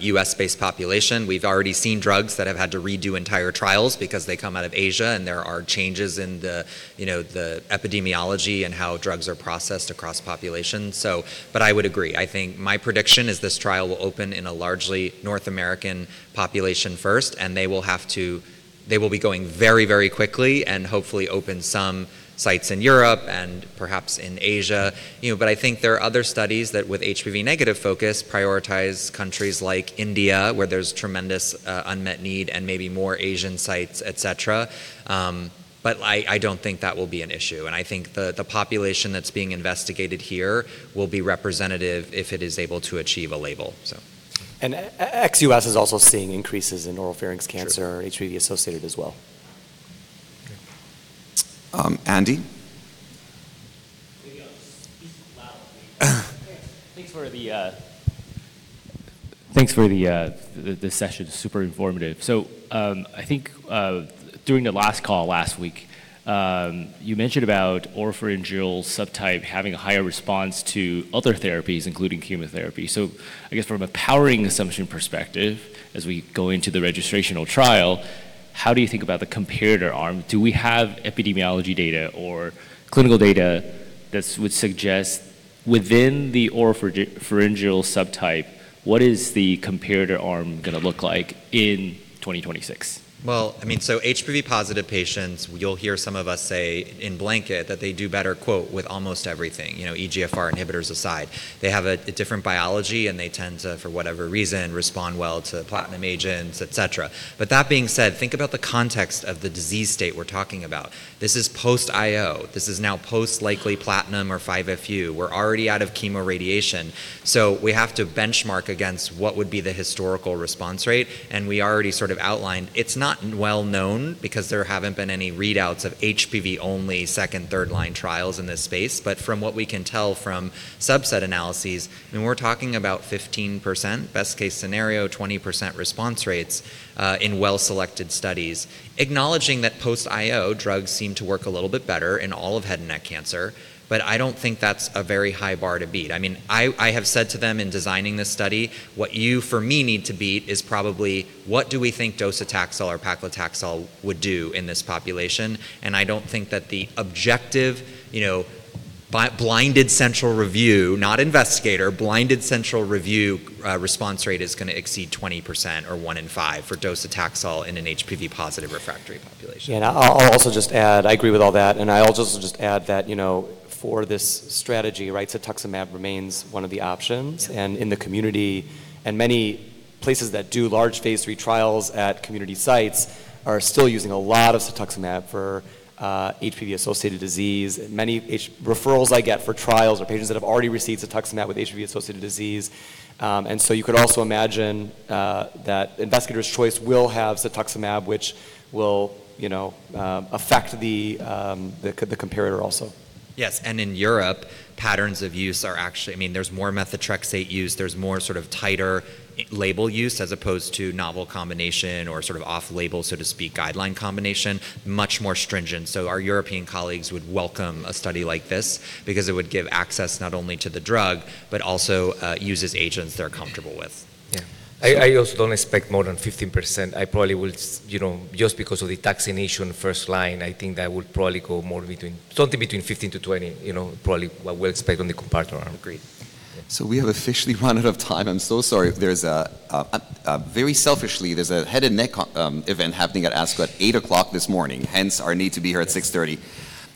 S3: U.S.-based population. We've already seen drugs that have had to redo entire trials because they come out of Asia, and there are changes in the epidemiology and how drugs are processed across populations. I would agree. My prediction is this trial will open in a largely North American population first, and they will be going very quickly and hopefully open some sites in Europe and perhaps in Asia. I think there are other studies that with HPV negative focus prioritize countries like India, where there's tremendous unmet need and maybe more Asian sites, et cetera. I don't think that will be an issue. I think the population that's being investigated here will be representative if it is able to achieve a label.
S2: Ex-U.S. is also seeing increases in oropharynx cancer.
S1: Sure.
S2: HPV associated as well.
S1: Andy? Speak loud, please.
S7: Thanks for this session. Super informative. I think during the last call last week, you mentioned about oropharyngeal subtype having a higher response to other therapies, including chemotherapy. I guess from a powering assumption perspective, as we go into the registrational trial, how do you think about the comparator arm? Do we have epidemiology data or clinical data that would suggest within the oropharyngeal subtype, what is the comparator arm going to look like in 2026?
S3: HPV-positive patients, you'll hear some of us say in blanket that they do better, quote, "with almost everything", EGFR inhibitors aside. They have a different biology, and they tend to, for whatever reason, respond well to platinum agents, et cetera. That being said, think about the context of the disease state we're talking about. This is post-IO. This is now post likely platinum or 5-FU. We're already out of chemoradiation. We have to benchmark against what would be the historical response rate. We already outlined it's not well-known because there haven't been any readouts of HPV-only second-line, third-line trials in this space. From what we can tell from subset analyses, we're talking about 15%-20% response rates in well-selected studies. Acknowledging that post-IO drugs seem to work a little bit better in all of head and neck cancer, I don't think that's a very high bar to beat. I have said to them in designing this study, what you for me need to beat is probably what do we think docetaxel or paclitaxel would do in this population. I don't think that the objective, blinded central review, not investigator, blinded central review response rate is going to exceed 20% or one in five for docetaxel in an HPV positive refractory population.
S2: I'll also just add, I agree with all that, and I also just add that for this strategy, cetuximab remains one of the options.
S3: Yeah.
S2: In the community, and many places that do large phase III trials at community sites are still using a lot of cetuximab for HPV-associated disease. Many referrals I get for trials are patients that have already received cetuximab with HPV-associated disease. You could also imagine that investigator's choice will have cetuximab, which will affect the comparator also.
S3: Yes. In Europe, patterns of use are actually, there's more methotrexate used. There's more tighter label use as opposed to novel combination or off-label, so to speak, guideline combination, much more stringent. Our European colleagues would welcome a study like this because it would give access not only to the drug, but also uses agents they're comfortable with.
S1: Yeah.
S4: I also don't expect more than 15%. Just because of the taxane issue in first line, I think that would probably go something between 15%-20%, probably what we'll expect on the comparator arm.
S3: Agreed.
S1: We have officially run out of time. I'm so sorry. Very selfishly, there's a head and neck event happening at ASCO at 8:00 A.M. this morning, hence our need to be here at 6:30 A.M.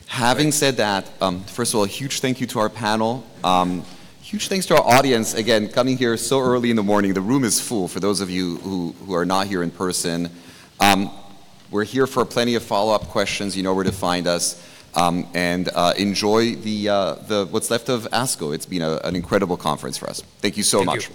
S1: Having said that, first of all, a huge thank you to our panel. Huge thanks to our audience, again, coming here so early in the morning. The room is full, for those of you who are not here in person. We're here for plenty of follow-up questions. You know where to find us. Enjoy what's left of ASCO. It's been an incredible conference for us. Thank you so much.